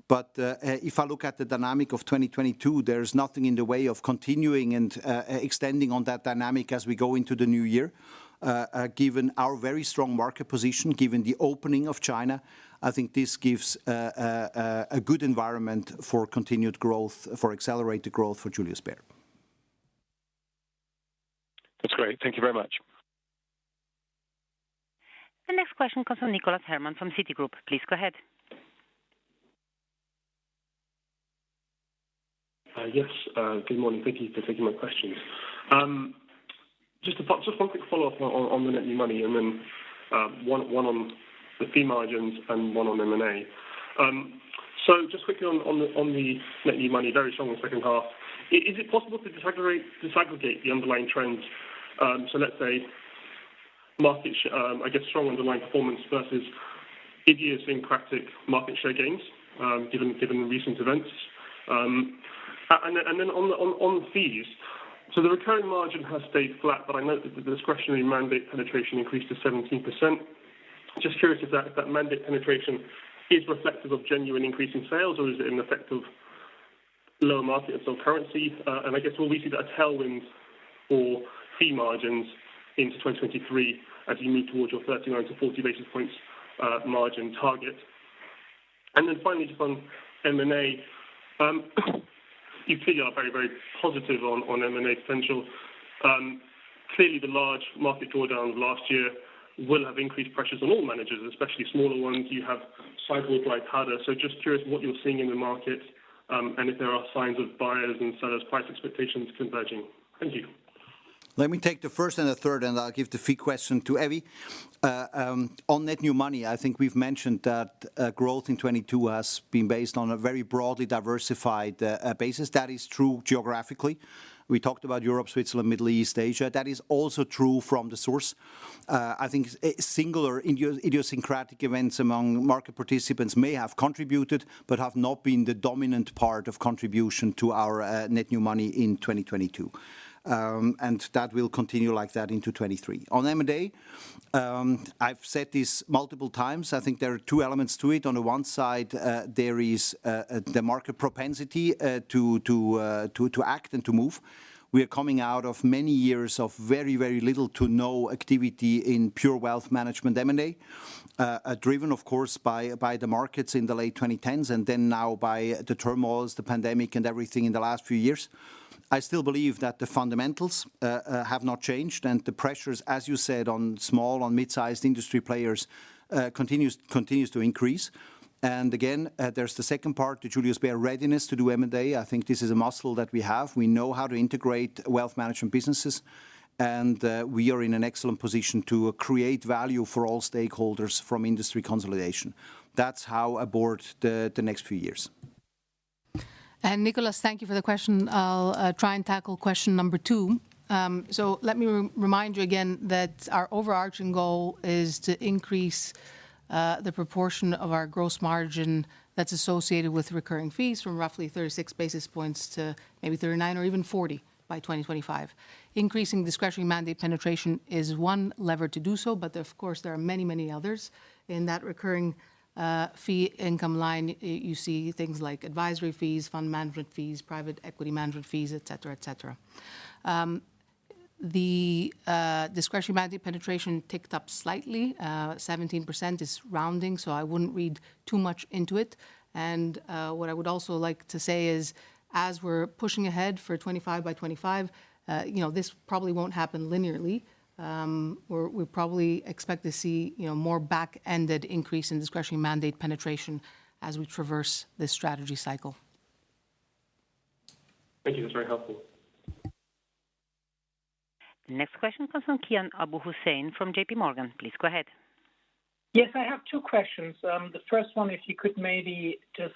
If I look at the dynamic of 2022, there is nothing in the way of continuing and extending on that dynamic as we go into the new year. Given our very strong market position, given the opening of China, I think this gives a good environment for continued growth, for accelerated growth for Julius Baer. That's great. Thank you very much. The next question comes from Nicholas Herman from Citigroup. Please go ahead. Yes, good morning. Thank you for taking my questions. Just one quick follow-up on the net new money and then one on the fee margins and one on M&A. Just quickly on the net new money, very strong in the second half. Is it possible to disaggregate the underlying trends? Let's say I guess strong underlying performance versus idiosyncratic market share gains, given recent events. And then on fees. The recurring margin has stayed flat, but I note that the discretionary mandate penetration increased to 17%. Just curious if that mandate penetration is reflective of genuine increase in sales, or is it an effect of lower market and some currency? I guess will we see that a tailwind for fee margins into 2023 as you move towards your 39-40 basis points margin target? Finally, just on M&A. You clearly are very, very positive on M&A potential. Clearly the large market drawdowns last year will have increased pressures on all managers, especially smaller ones. You have [sideways] like harder. Just curious what you're seeing in the market, and if there are signs of buyers and sellers' price expectations converging. Thank you. Let me take the first and the third, and I'll give the fee question to Evie. On net new money, I think we've mentioned that growth in 2022 has been based on a very broadly diversified basis. That is true geographically. We talked about Europe, Switzerland, Middle East, Asia. That is also true from the source. I think singular idiosyncratic events among market participants may have contributed, but have not been the dominant part of contribution to our net new money in 2022. That will continue like that into 2023. On M&A, I've said this multiple times. I think there are two elements to it. On the one side, there is the market propensity to act and to move. We are coming out of many years of very little to no activity in pure wealth management M&A, driven of course by the markets in the late 2010s and then now by the turmoils, the pandemic and everything in the last few years. I still believe that the fundamentals have not changed, and the pressures, as you said, on small, on mid-sized industry players, continues to increase. Again, there's the second part, the Julius Baer readiness to do M&A. I think this is a muscle that we have. We know how to integrate wealth management businesses, and we are in an excellent position to create value for all stakeholders from industry consolidation. That's how I board the next few years. Nicholas, thank you for the question. I'll try and tackle question number two. So let me re-remind you again that our overarching goal is to increase the proportion of our gross margin that's associated with recurring fees from roughly 36 basis points to maybe 39 or even 40 by 2025. Increasing discretionary mandate penetration is one lever to do so, but of course, there are many, many others. In that recurring fee income line, you see things like advisory fees, fund management fees, private equity management fees, et cetera, et cetera. The discretionary mandate penetration ticked up slightly. 17% is rounding, so I wouldn't read too much into it. What I would also like to say is as we're pushing ahead for 25 by 25, you know, this probably won't happen linearly. We probably expect to see, you know, more back-ended increase in discretionary mandate penetration as we traverse this strategy cycle. Thank you. That's very helpful. Next question comes from Kian Abouhossein from JPMorgan. Please go ahead. Yes, I have two questions. The first one, if you could maybe just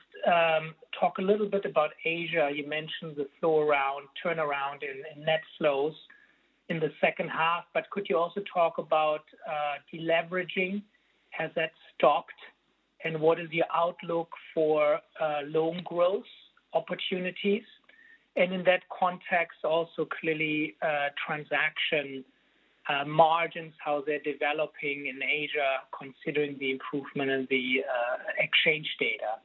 talk a little bit about Asia. You mentioned the turnaround in net flows in the second half, but could you also talk about deleveraging? Has that stopped? What is the outlook for loan growth opportunities? In that context, also clearly, transaction margins, how they're developing in Asia, considering the improvement in the exchange data.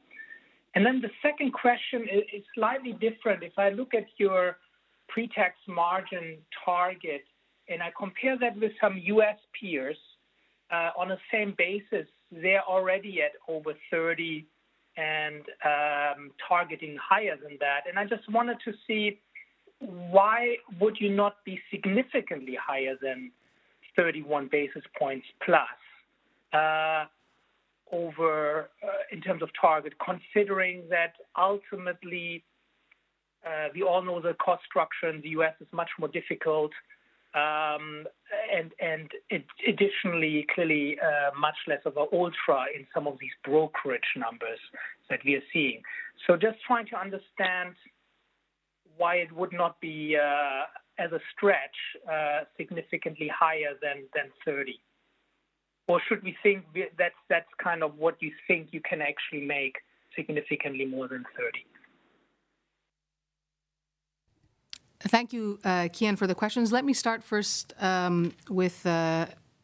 The second question is slightly different. If I look at your pre-tax margin target, and I compare that with some U.S. peers, on the same basis, they're already at over 30 and targeting higher than that. I just wanted to see why would you not be significantly higher than 31 basis points plus over in terms of target, considering that ultimately, we all know the cost structure in the U..S is much more difficult, and additionally, clearly, much less of a ultra in some of these brokerage numbers that we are seeing. Just trying to understand why it would not be as a stretch significantly higher than 30. Should we think that's kind of what you think you can actually make significantly more than 30? Thank you, Kian, for the questions. Let me start first with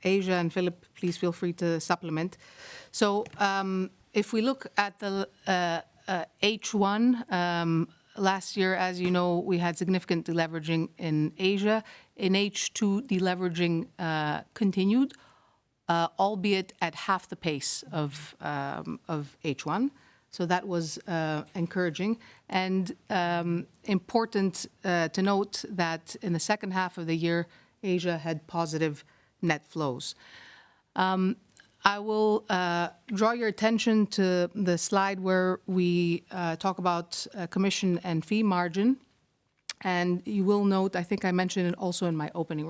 Asia and Philipp, please feel free to supplement. If we look at H1 last year, as you know, we had significant deleveraging in Asia. In H2, deleveraging continued, albeit at half the pace of H1, that was encouraging. Important to note that in the second half of the year, Asia had positive net flows. I will draw your attention to the slide where we talk about commission and fee margin. You will note, I think I mentioned it also in my opening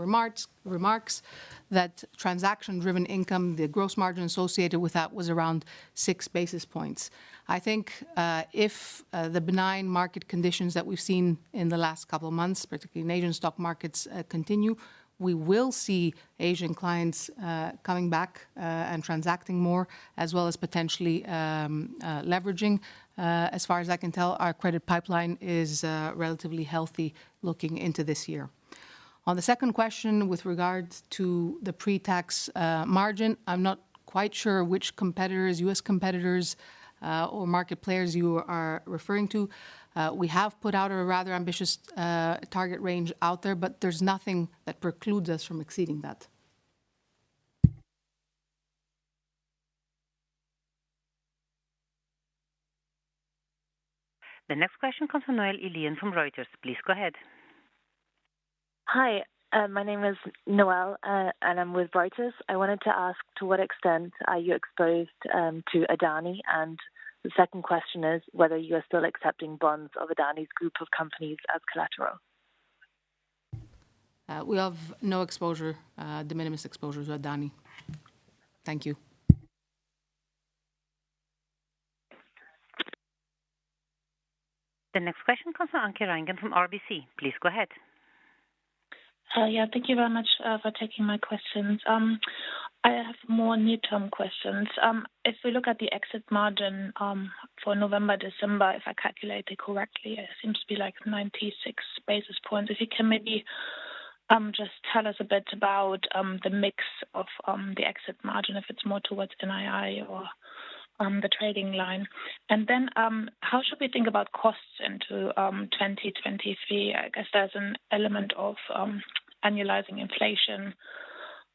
remarks, that transaction-driven income, the gross margin associated with that was around 6 basis points. If the benign market conditions that we've seen in the last couple of months, particularly in Asian stock markets, continue, we will see Asian clients coming back and transacting more as well as potentially leveraging. As far as I can tell, our credit pipeline is relatively healthy looking into this year. On the second question with regards to the pre-tax margin, I'm not quite sure which competitors, U.S. competitors, or market players you are referring to. We have put out a rather ambitious target range out there, but there's nothing that precludes us from exceeding that. The next question comes from Noelle Illien from Reuters. Please go ahead. Hi, my name is Noelle, and I'm with Reuters. I wanted to ask to what extent are you exposed to Adani? The second question is whether you are still accepting bonds of Adani's group of companies as collateral. We have no exposure, de minimis exposure to Adani. Thank you. The next question comes from Anke Reingen from RBC. Please go ahead. Yeah. Thank you very much for taking my questions. I have more near-term questions. If we look at the exit margin for November, December, if I calculate it correctly, it seems to be like 96 basis points. If you can maybe, just tell us a bit about the mix of the exit margin, if it's more towards NII or the trading line. How should we think about costs into 2023? I guess there's an element of annualizing inflation.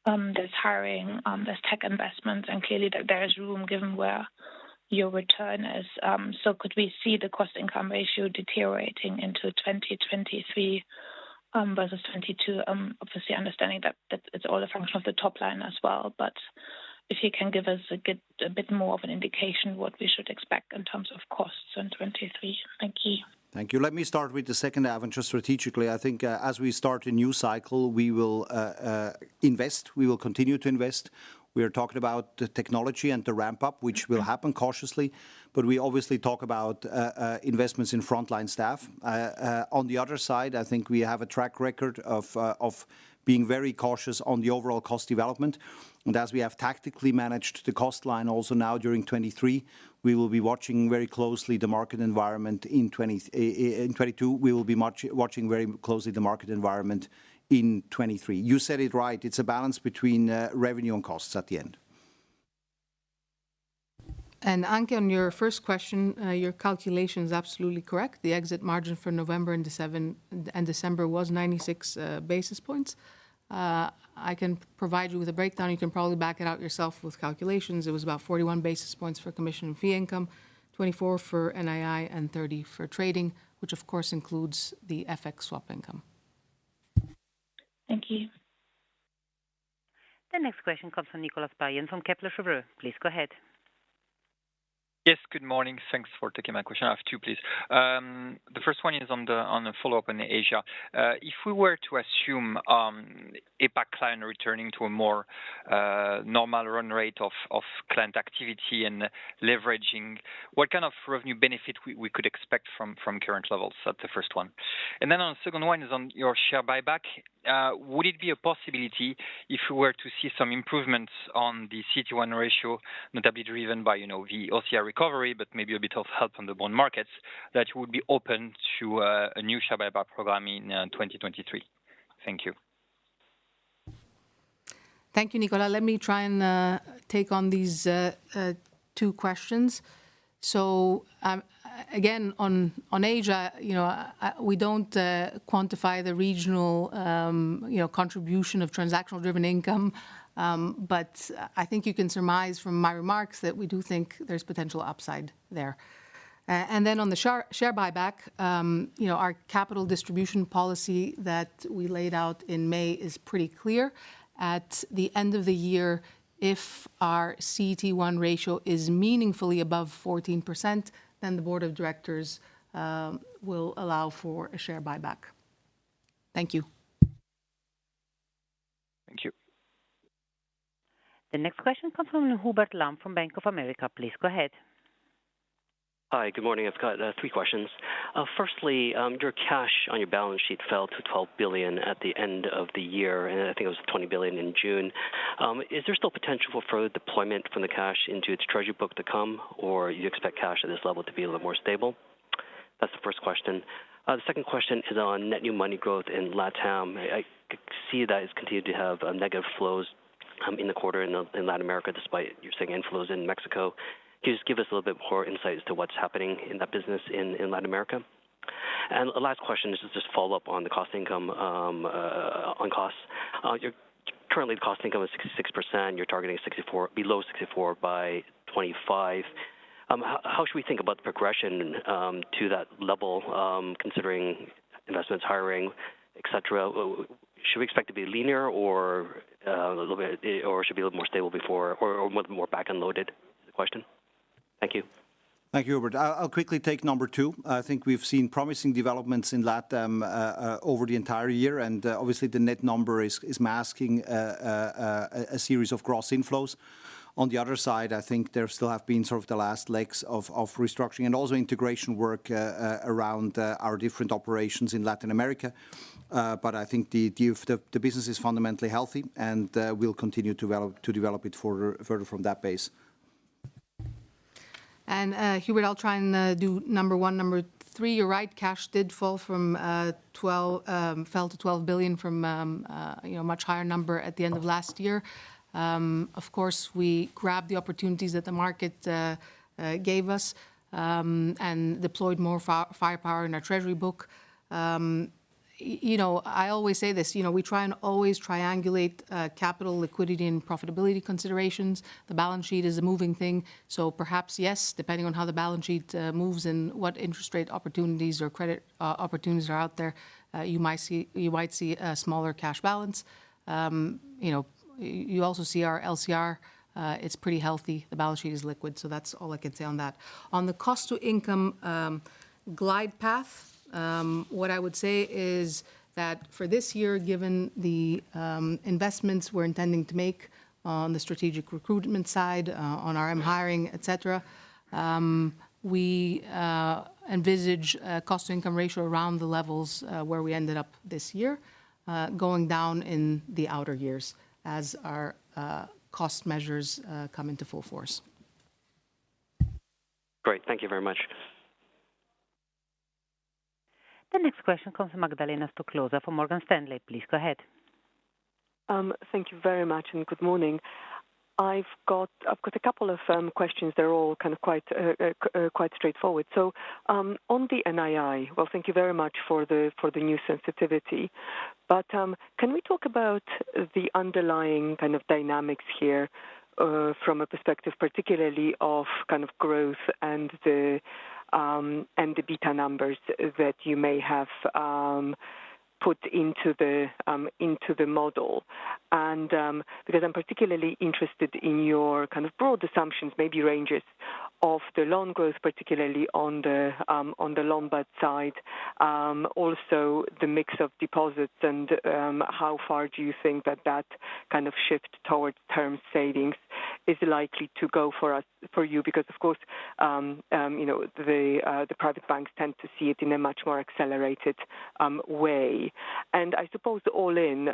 There's hiring, there's tech investments, and clearly that there is room given where your return is. Could we see the cost-income ratio deteriorating into 2023 versus 2022? Obviously understanding that it's all a function of the top line as well. If you can give us a good. A bit more of an indication what we should expect in terms of costs in 2023. Thank you. Thank you. Let me start with the second, Anke, strategically, I think, as we start a new cycle, we will invest, we will continue to invest. We are talking about the technology and the ramp-up, which will happen cautiously, but we obviously talk about investments in frontline staff. On the other side, I think we have a track record of being very cautious on the overall cost development. As we have tactically managed the cost line also now during 2023, we will be watching very closely the market environment in 2022. We will be watching very closely the market environment in 2023. You said it right, it's a balance between revenue and costs at the end. Anke, on your first question, your calculation is absolutely correct. The exit margin for November and December was 96 basis points. I can provide you with a breakdown. You can probably back it out yourself with calculations. It was about 41 basis points for commission and fee income, 24 for NII, and 30 for trading, which of course includes the FX swap income. Thank you. The next question comes from Nicolas Payen from Kepler Cheuvreux. Please go ahead. Yes. Good morning. Thanks for taking my question. I have two, please. The first one is on the follow-up on Asia. If we were to assume APAC client returning to a more normal run rate of client activity and leveraging, what kind of revenue benefit we could expect from current levels? That's the first one. On the second one is on your share buyback. Would it be a possibility if we were to see some improvements on the CET1 ratio, notably driven by, you know, the OCI recovery, but maybe a bit of help on the bond markets, that you would be open to a new share buyback program in 2023? Thank you. Thank you, Nicolas. Let me try and take on these two questions. Again, on Asia, you know, we don't quantify the regional, you know, contribution of transactional driven income. I think you can surmise from my remarks that we do think there's potential upside there. On the share buyback, you know, our capital distribution policy that we laid out in May is pretty clear. At the end of the year, if our CET1 ratio is meaningfully above 14%, then the Board of Directors will allow for a share buyback. Thank you. Thank you. The next question comes from Hubert Lam from Bank of America. Please go ahead. Hi, good morning. I've got three questions. Firstly, your cash on your balance sheet fell to 12 billion at the end of the year, and I think it was 20 billion in June. Is there still potential for further deployment from the cash into its treasury book to come, or you expect cash at this level to be a little more stable? That's the first question. The second question is on net new money growth in LatAm. I see that it's continued to have negative flows in the quarter in Latin America, despite you seeing inflows in Mexico. Can you just give us a little bit more insight as to what's happening in that business in Latin America? The last question is just to follow up on the cost/income on costs. Currently the cost income is 66%. You're targeting below 64% by 2025. How should we think about the progression to that level, considering investments, hiring, et cetera? Should we expect it to be linear or should it be a little more stable before or more back-ended loaded is the question. Thank you. Thank you, Hubert. I'll quickly take number two. I think we've seen promising developments in LatAm over the entire year, and obviously the net number is masking a series of gross inflows. On the other side, I think there still have been sort of the last legs of restructuring and also integration work around our different operations in Latin America. I think the business is fundamentally healthy and we'll continue to develop it further from that base. Hubert, I'll try and do number one and number three. You're right, cash did fall from 12 fell to 12 billion from, you know, a much higher number at the end of last year. Of course, we grabbed the opportunities that the market gave us, and deployed more firepower in our treasury book. You know, I always say this, you know, we try and always triangulate capital liquidity and profitability considerations. The balance sheet is a moving thing, so perhaps yes, depending on how the balance sheet moves and what interest rate opportunities or credit opportunities are out there, you might see, you might see a smaller cash balance. You know, you also see our LCR, it's pretty healthy. The balance sheet is liquid, so that's all I can say on that. On the cost/income, glide path, what I would say is that for this year, given the investments we're intending to make on the strategic recruitment side, on RM hiring, et cetera, we envisage a cost/income ratio around the levels where we ended up this year, going down in the outer years as our cost measures come into full force. Great. Thank you very much. The next question comes from Magdalena Stoklosa from Morgan Stanley. Please go ahead. Thank you very much. Good morning. I've got a couple of questions. They're all kind of quite straightforward. On the NII, well, thank you very much for the new sensitivity. Can we talk about the underlying kind of dynamics here from a perspective particularly of kind of growth and the beta numbers that you may have put into the model? Because I'm particularly interested in your kind of broad assumptions, maybe ranges of the loan growth, particularly on the Lombard side. Also, the mix of deposits and how far do you think that that kind of shift towards term savings is likely to go for you? Because of course, the private banks tend to see it in a much more accelerated way. I suppose all in,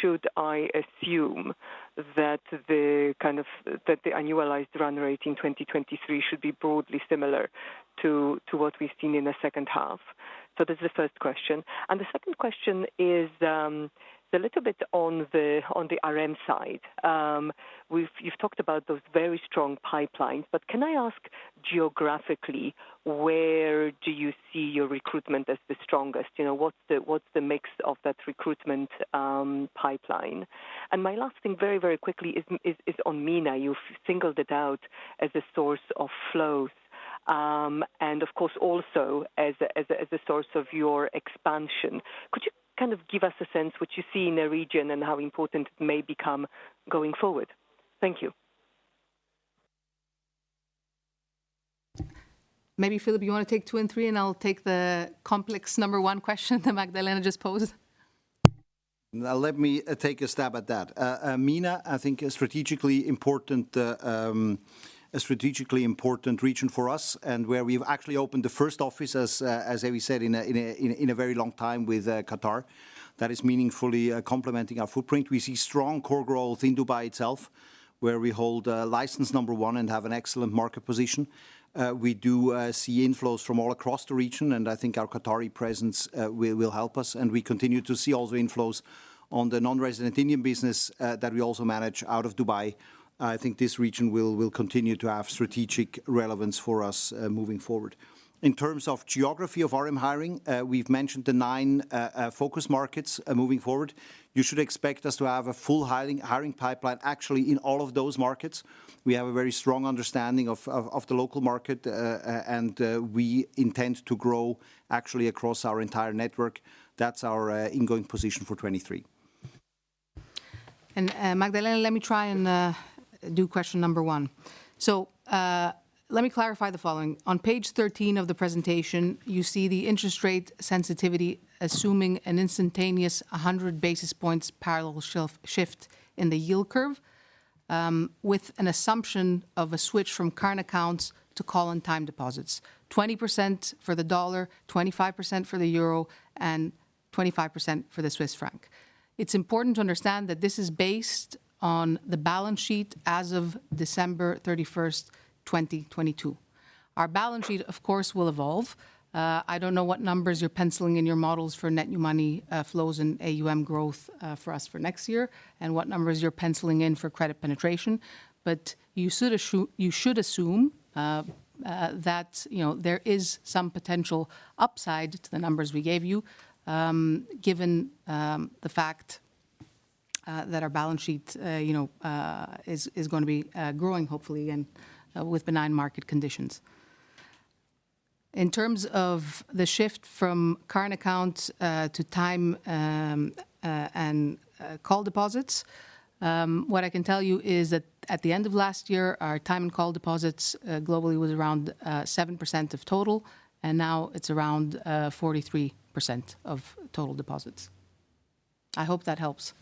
should I assume that the annualized run rate in 2023 should be broadly similar to what we've seen in the second half? That's the first question. The second question is a little bit on the RM side. You've talked about those very strong pipelines, but can I ask geographically, where do you see your recruitment as the strongest? What's the mix of that recruitment pipeline? My last thing very, very quickly is on MENA. You've singled it out as a source of flows, and of course also as a source of your expansion. Could you kind of give us a sense what you see in the region and how important it may become going forward? Thank you. Maybe Philipp, you wanna take two and three, and I'll take the complex number one question that Magdalena just posed. Now let me take a stab at that. MENA, I think a strategically important region for us and where we've actually opened the first office as Evie said in a very long time with Qatar. That is meaningfully complementing our footprint. We see strong core growth in Dubai itself, where we hold license number one and have an excellent market position. We do see inflows from all across the region, I think our Qatari presence will help us. We continue to see also inflows on the non-resident Indian business that we also manage out of Dubai. I think this region will continue to have strategic relevance for us moving forward. In terms of geography of RM hiring, we've mentioned the nine focus markets. Moving forward, you should expect us to have a full hiring pipeline actually in all of those markets. We have a very strong understanding of the local market, and we intend to grow actually across our entire network. That's our ingoing position for 2023. Magdalena, let me try and do question number one. Let me clarify the following. On page 13 of the presentation, you see the interest rate sensitivity assuming an instantaneous 100 basis points parallel shift in the yield curve. With an assumption of a switch from current accounts to call and time deposits, 20% for the dollar, 25% for the Euro, and 25% for the Swiss franc. It's important to understand that this is based on the balance sheet as of December 31st, 2022. Our balance sheet, of course, will evolve. I don't know what numbers you're penciling in your models for net new money, flows in AUM growth, for us for next year and what numbers you're penciling in for credit penetration. You should assume that, you know, there is some potential upside to the numbers we gave you, given the fact that our balance sheet, you know, is gonna be growing hopefully and with benign market conditions. In terms of the shift from current accounts to time and call deposits, what I can tell you is that at the end of last year, our time and call deposits globally was around 7% of total, and now it's around 43% of total deposits. I hope that helps.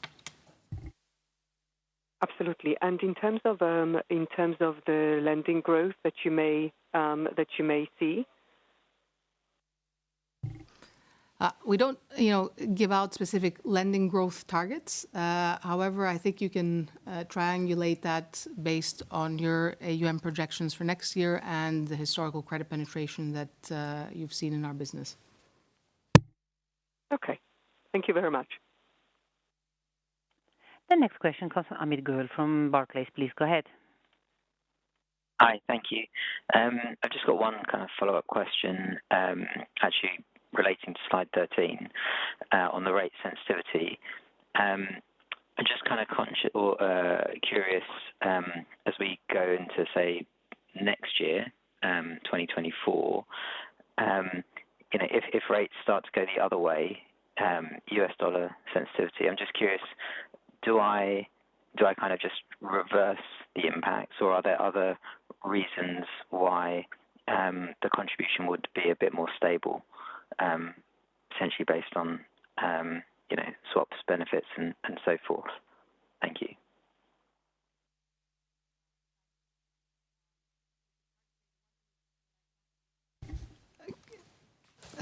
Absolutely. In terms of the lending growth that you may, that you may see? We don't, you know, give out specific lending growth targets. However, I think you can triangulate that based on your AUM projections for next year and the historical credit penetration that you've seen in our business. Okay. Thank you very much. The next question comes from Amit Goel from Barclays. Please go ahead. Hi. Thank you. I've just got one kinda follow-up question, actually relating to slide 13 on the rate sensitivity. I'm just kinda conscious or curious, as we go into, say, next year, 2024, you know, if rates start to go the other way, U.S. dollar sensitivity, I'm just curious, do I kinda just reverse the impacts, or are there other reasons why the contribution would be a bit more stable, essentially based on, you know, swaps benefits and so forth? Thank you.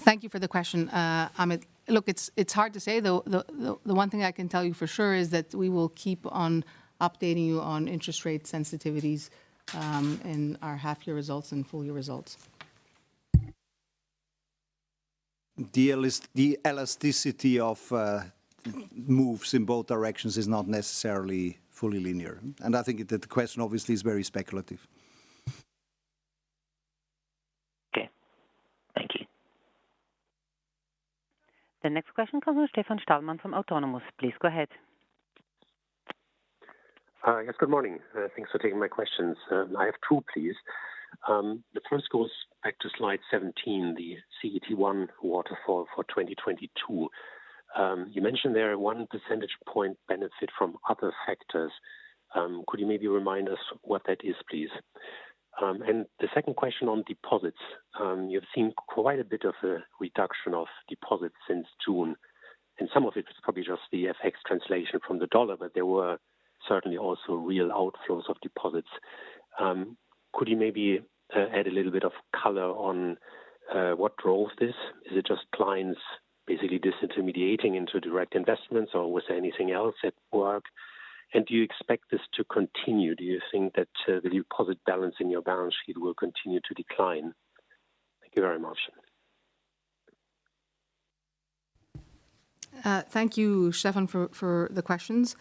Thank you for the question, Amit. It's hard to say, though. The one thing I can tell you for sure is that we will keep on updating you on interest rate sensitivities in our half year results and full year results. The elasticity of moves in both directions is not necessarily fully linear. I think that the question obviously is very speculative. Okay. Thank you. The next question comes from Stefan Stalmann from Autonomous. Please go ahead. Yes, good morning. Thanks for taking my questions. I have two, please. The first goes back to slide 17, the CET1 waterfall for 2022. You mentioned there a one percentage point benefit from other factors. Could you maybe remind us what that is, please? The second question on deposits. You've seen quite a bit of a reduction of deposits since June, and some of it was probably just the FX translation from the dollar, but there were certainly also real outflows of deposits. Could you maybe add a little bit of color on what drove this? Is it just clients basically disintermediating into direct investments, or was there anything else at work? Do you expect this to continue? Do you think that the deposit balance in your balance sheet will continue to decline? Thank you very much. Thank you, Stefan, for the questions.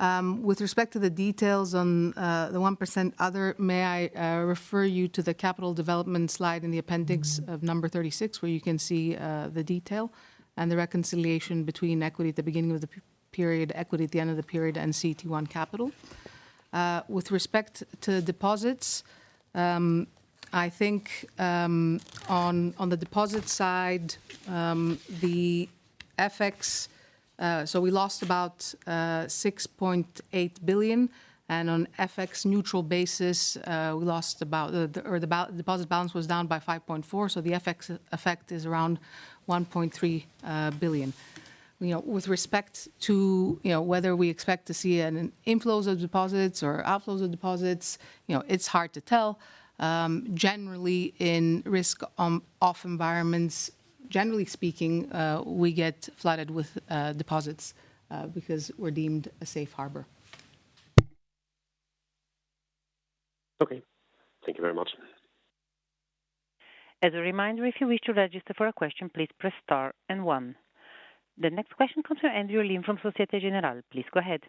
With respect to the details on the 1% other, may I refer you to the capital development slide in the appendix of number 36, where you can see the detail and the reconciliation between equity at the beginning of the period, equity at the end of the period, and CET1 capital. With respect to deposits, I think on the deposit side, we lost about 6.8 billion, and on FX neutral basis, the deposit balance was down by 5.4 billion, so the FX effect is around 1.3 billion. You know, with respect to, you know, whether we expect to see an inflows of deposits or outflows of deposits, you know, it's hard to tell. Generally in risk on/off environments, generally speaking, we get flooded with deposits, because we're deemed a safe harbor. Okay. Thank you very much. As a reminder, if you wish to register for a question, please press star and one. The next question comes from Andrew Lim from Societe Generale. Please go ahead.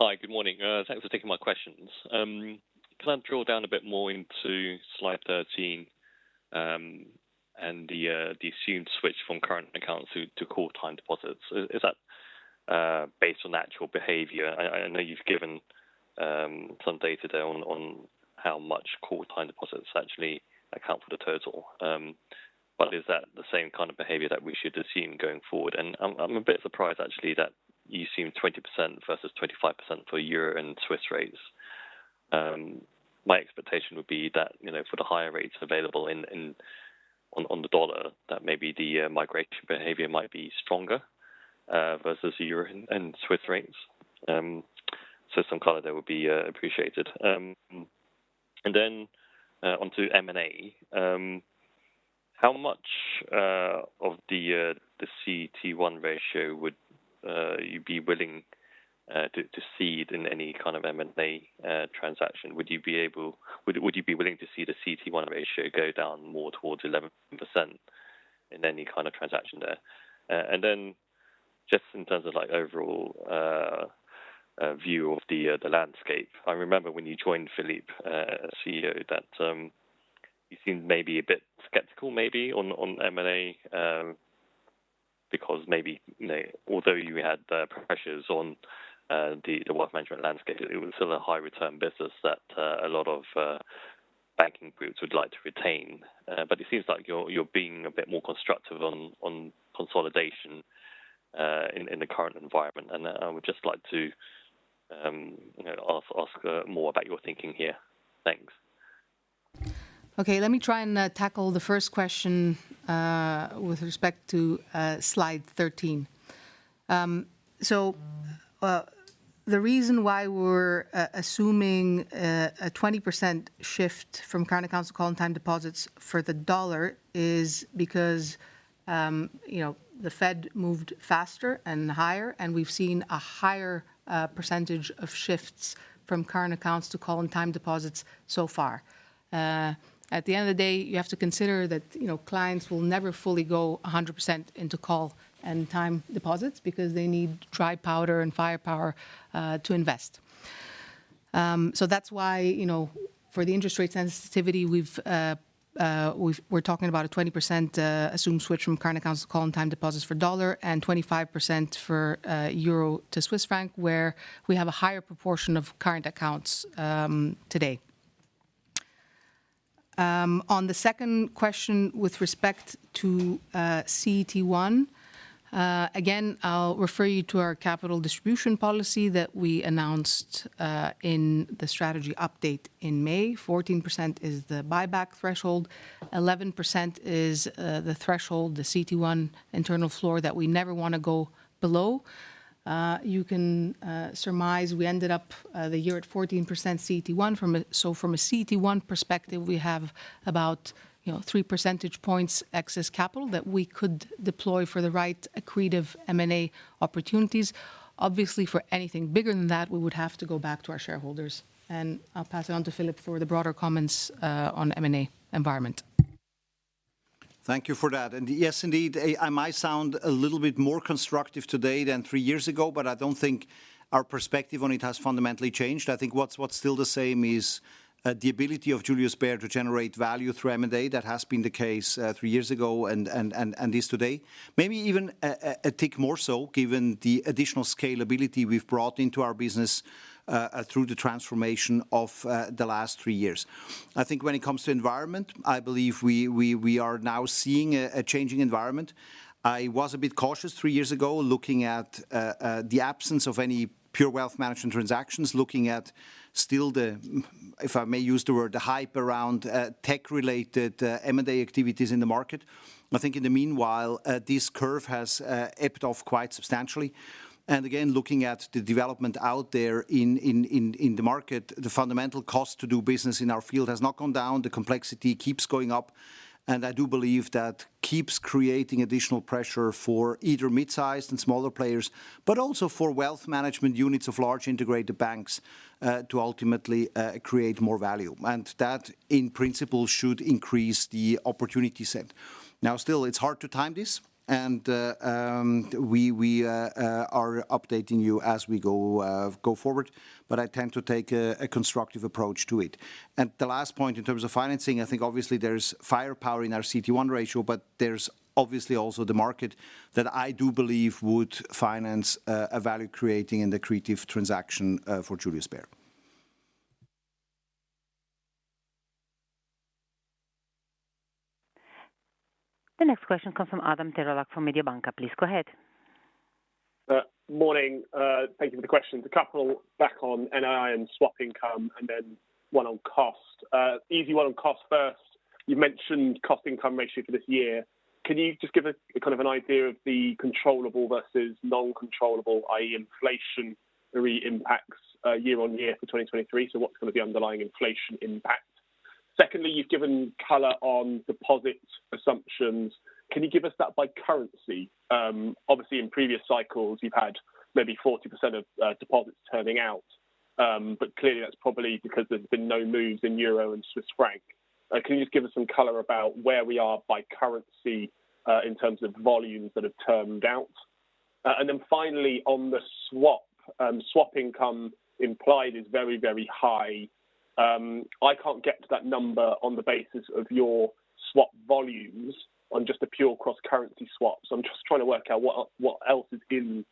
Hi. Good morning. Thanks for taking my questions. Can I drill down a bit more into slide 13, and the assumed switch from current accounts to call time deposits? Is that based on actual behavior? I know you've given some data there on how much call time deposits actually account for the total. Is that the same kind of behavior that we should assume going forward? I'm a bit surprised actually that you assume 20% versus 25% for Euro and Swiss rates. My expectation would be that, you know, for the higher rates available in on the dollar, that maybe the migration behavior might be stronger versus the Euro and Swiss rates. Some color there would be appreciated. Then onto M&A. How much of the CET1 ratio would you be willing to cede in any kind of M&A transaction? Would you be willing to see the CET1 ratio go down more towards 11% in any kind of transaction there? Just in terms of like overall view of the landscape, I remember when you joined Philipp, as CEO that, you seemed maybe a bit skeptical maybe on M&A, because maybe, you know, although you had the pressures on the wealth management landscape, it was still a high return business that a lot of banking groups would like to retain. But it seems like you're being a bit more constructive on consolidation in the current environment. I would just like to, you know, ask more about your thinking here. Thanks. Okay. Let me try and tackle the first question with respect to slide 13. The reason why we're assuming a 20% shift from current account to call and time deposits for the dollar is because, you know, the Fed moved faster and higher, and we've seen a higher percentage of shifts from current accounts to call and time deposits so far. At the end of the day, you have to consider that, you know, clients will never fully go 100% into call and time deposits because they need dry powder and firepower to invest. That's why, you know, for the interest rate sensitivity, we're talking about a 20% assumed switch from current accounts to call and time deposits for dollar and 25% for Euro to Swiss franc, where we have a higher proportion of current accounts today. On the second question with respect to CET1, again, I'll refer you to our capital distribution policy that we announced in the strategy update in May. 14% is the buyback threshold. 11% is the threshold, the CET1 internal floor that we never wanna go below. You can surmise we ended up the year at 14% CET1 so from a CET1 perspective, we have about, you know, threr percentage points excess capital that we could deploy for the right accretive M&A opportunities. Obviously, for anything bigger than that, we would have to go back to our shareholders. I'll pass it on to Philipp for the broader comments on M&A environment. Thank you for that. Yes, indeed, I might sound a little bit more constructive today than three years ago, but I don't think our perspective on it has fundamentally changed. I think what's still the same is the ability of Julius Baer to generate value through M&A. That has been the case three years ago and is today. Maybe even a tick more so given the additional scalability we've brought into our business through the transformation of the last three years. I think when it comes to environment, I believe we are now seeing a changing environment. I was a bit cautious three years ago, looking at the absence of any pure wealth management transactions, looking at still the, if I may use the word, the hype around tech-related M&A activities in the market. I think in the meanwhile, this curve has ebbed off quite substantially. Again, looking at the development out there in the market, the fundamental cost to do business in our field has not gone down. The complexity keeps going up, and I do believe that keeps creating additional pressure for either mid-sized and smaller players, but also for wealth management units of large integrated banks, to ultimately create more value. That, in principle, should increase the opportunity set. Still, it's hard to time this and we are updating you as we go forward, but I tend to take a constructive approach to it. The last point, in terms of financing, I think obviously there's firepower in our CET1 ratio, but there's obviously also the market that I do believe would finance a value-creating and accretive transaction for Julius Baer. The next question comes from Adam Terelak from Mediobanca. Please go ahead. Morning. Thank you for the questions. A couple back on NII and swap income, and then one on cost. Easy one on cost first. You mentioned cost-income ratio for this year. Can you just give us kind of an idea of the controllable versus non-controllable, i.e., inflationary impacts, year-on-year for 2023? What's gonna be underlying inflation impact? Secondly, you've given color on deposit assumptions. Can you give us that by currency? Obviously in previous cycles, you've had maybe 40% of deposits turning out, clearly that's probably because there's been no moves in euro and Swiss franc. Can you just give us some color about where we are by currency, in terms of volumes that have turned out? Then finally on the swap. Swap income implied is very, very high. I can't get to that number on the basis of your swap volumes on just the pure cross-currency swaps. I'm just trying to work out what else is in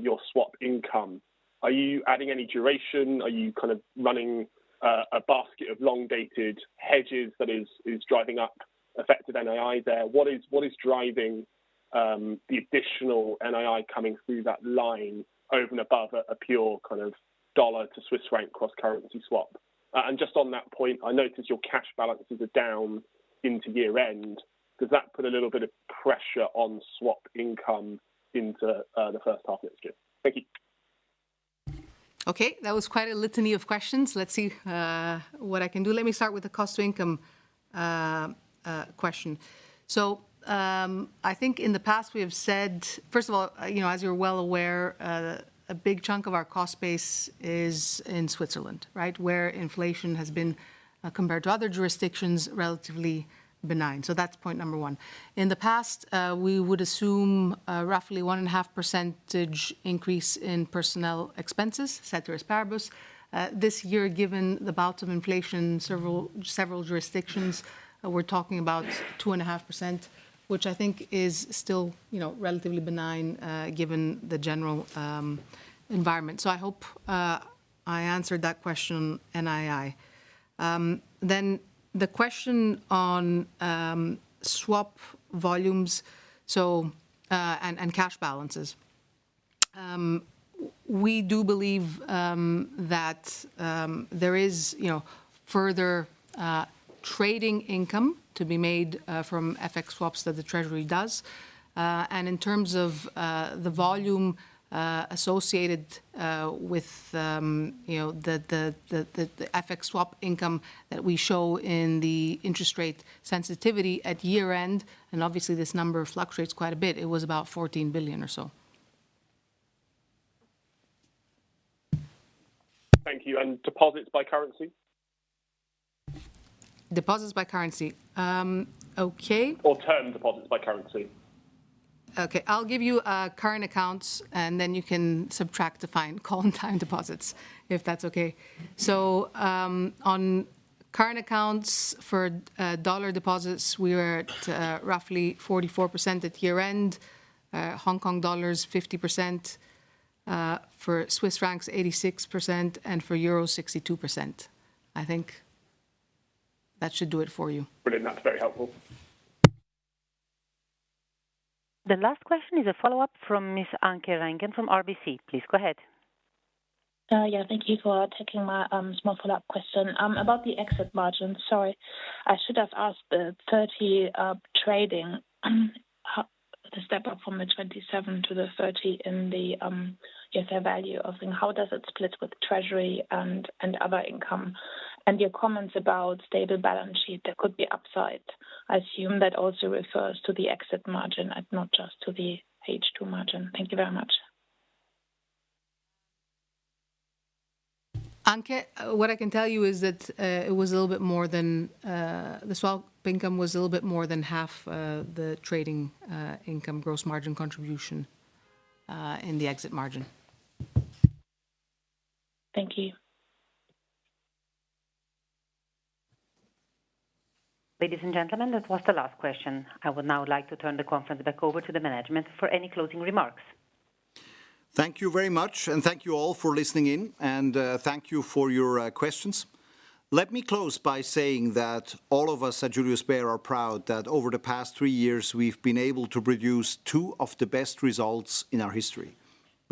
your swap income. Are you adding any duration? Are you kind of running a basket of long-dated hedges that is driving up effective NII there? What is driving the additional NII coming through that line over and above a pure kind of dollar to Swiss franc cross-currency swap. Just on that point, I noticed your cash balances are down into year-end. Does that put a little bit of pressure on swap income into the first half next year? Thank you. Okay. That was quite a litany of questions. Let's see what I can do. Let me start with the cost to income question. I think in the past we have said, First of all, you know, as you're well aware, a big chunk of our cost base is in Switzerland, right? Where inflation has been compared to other jurisdictions, relatively benign. That's point number one. In the past, we would assume roughly 1.5% increase in personnel expenses, ceteris paribus. This year, given the bouts of inflation, several jurisdictions, we're talking about 2.5%, which I think is still, you know, relatively benign, given the general environment. I hope I answered that question NII. Then the question on swap volumes, and cash balances. We do believe that there is, you know, further trading income to be made from FX swaps that the Treasury does. In terms of the volume associated with, you know, the FX swap income that we show in the interest rate sensitivity at year-end, and obviously this number fluctuates quite a bit, it was about 14 billion or so. Thank you. Deposits by currency? Deposits by currency. Okay. Term deposits by currency. Okay. I'll give you current accounts, then you can subtract to find call and time deposits, if that's okay. On current accounts for dollar deposits, we were at roughly 44% at year-end. Hong Kong dollars, 50%. For Swiss francs, 86%. For Euros, 62%. I think that should do it for you. Brilliant. That's very helpful. The last question is a follow-up from Miss Anke Reingen from RBC. Please go ahead. Yeah. Thank you for taking my small follow-up question. About the exit margin, sorry, I should have asked the 30 trading, the step up from the 27 to the 30 in the FTR value of. How does it split with Treasury and other income? Your comments about stable balance sheet, there could be upside. I assume that also refers to the exit margin and not just to the H2 margin. Thank you very much. Anke, what I can tell you is that, it was a little bit more than, the swap income was a little bit more than half, the trading, income gross margin contribution, in the exit margin. Thank you. Ladies and gentlemen, that was the last question. I would now like to turn the conference back over to the management for any closing remarks. Thank you very much, thank you all for listening in, thank you for your questions. Let me close by saying that all of us at Julius Baer are proud that over the past three years, we've been able to produce two of the best results in our history.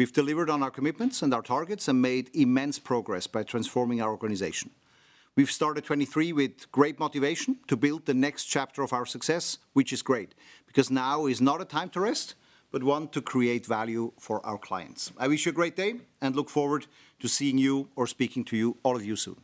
We've delivered on our commitments and our targets and made immense progress by transforming our organization. We've started 2023 with great motivation to build the next chapter of our success, which is great, because now is not a time to rest, but one to create value for our clients. I wish you a great day and look forward to seeing you or speaking to you, all of you soon.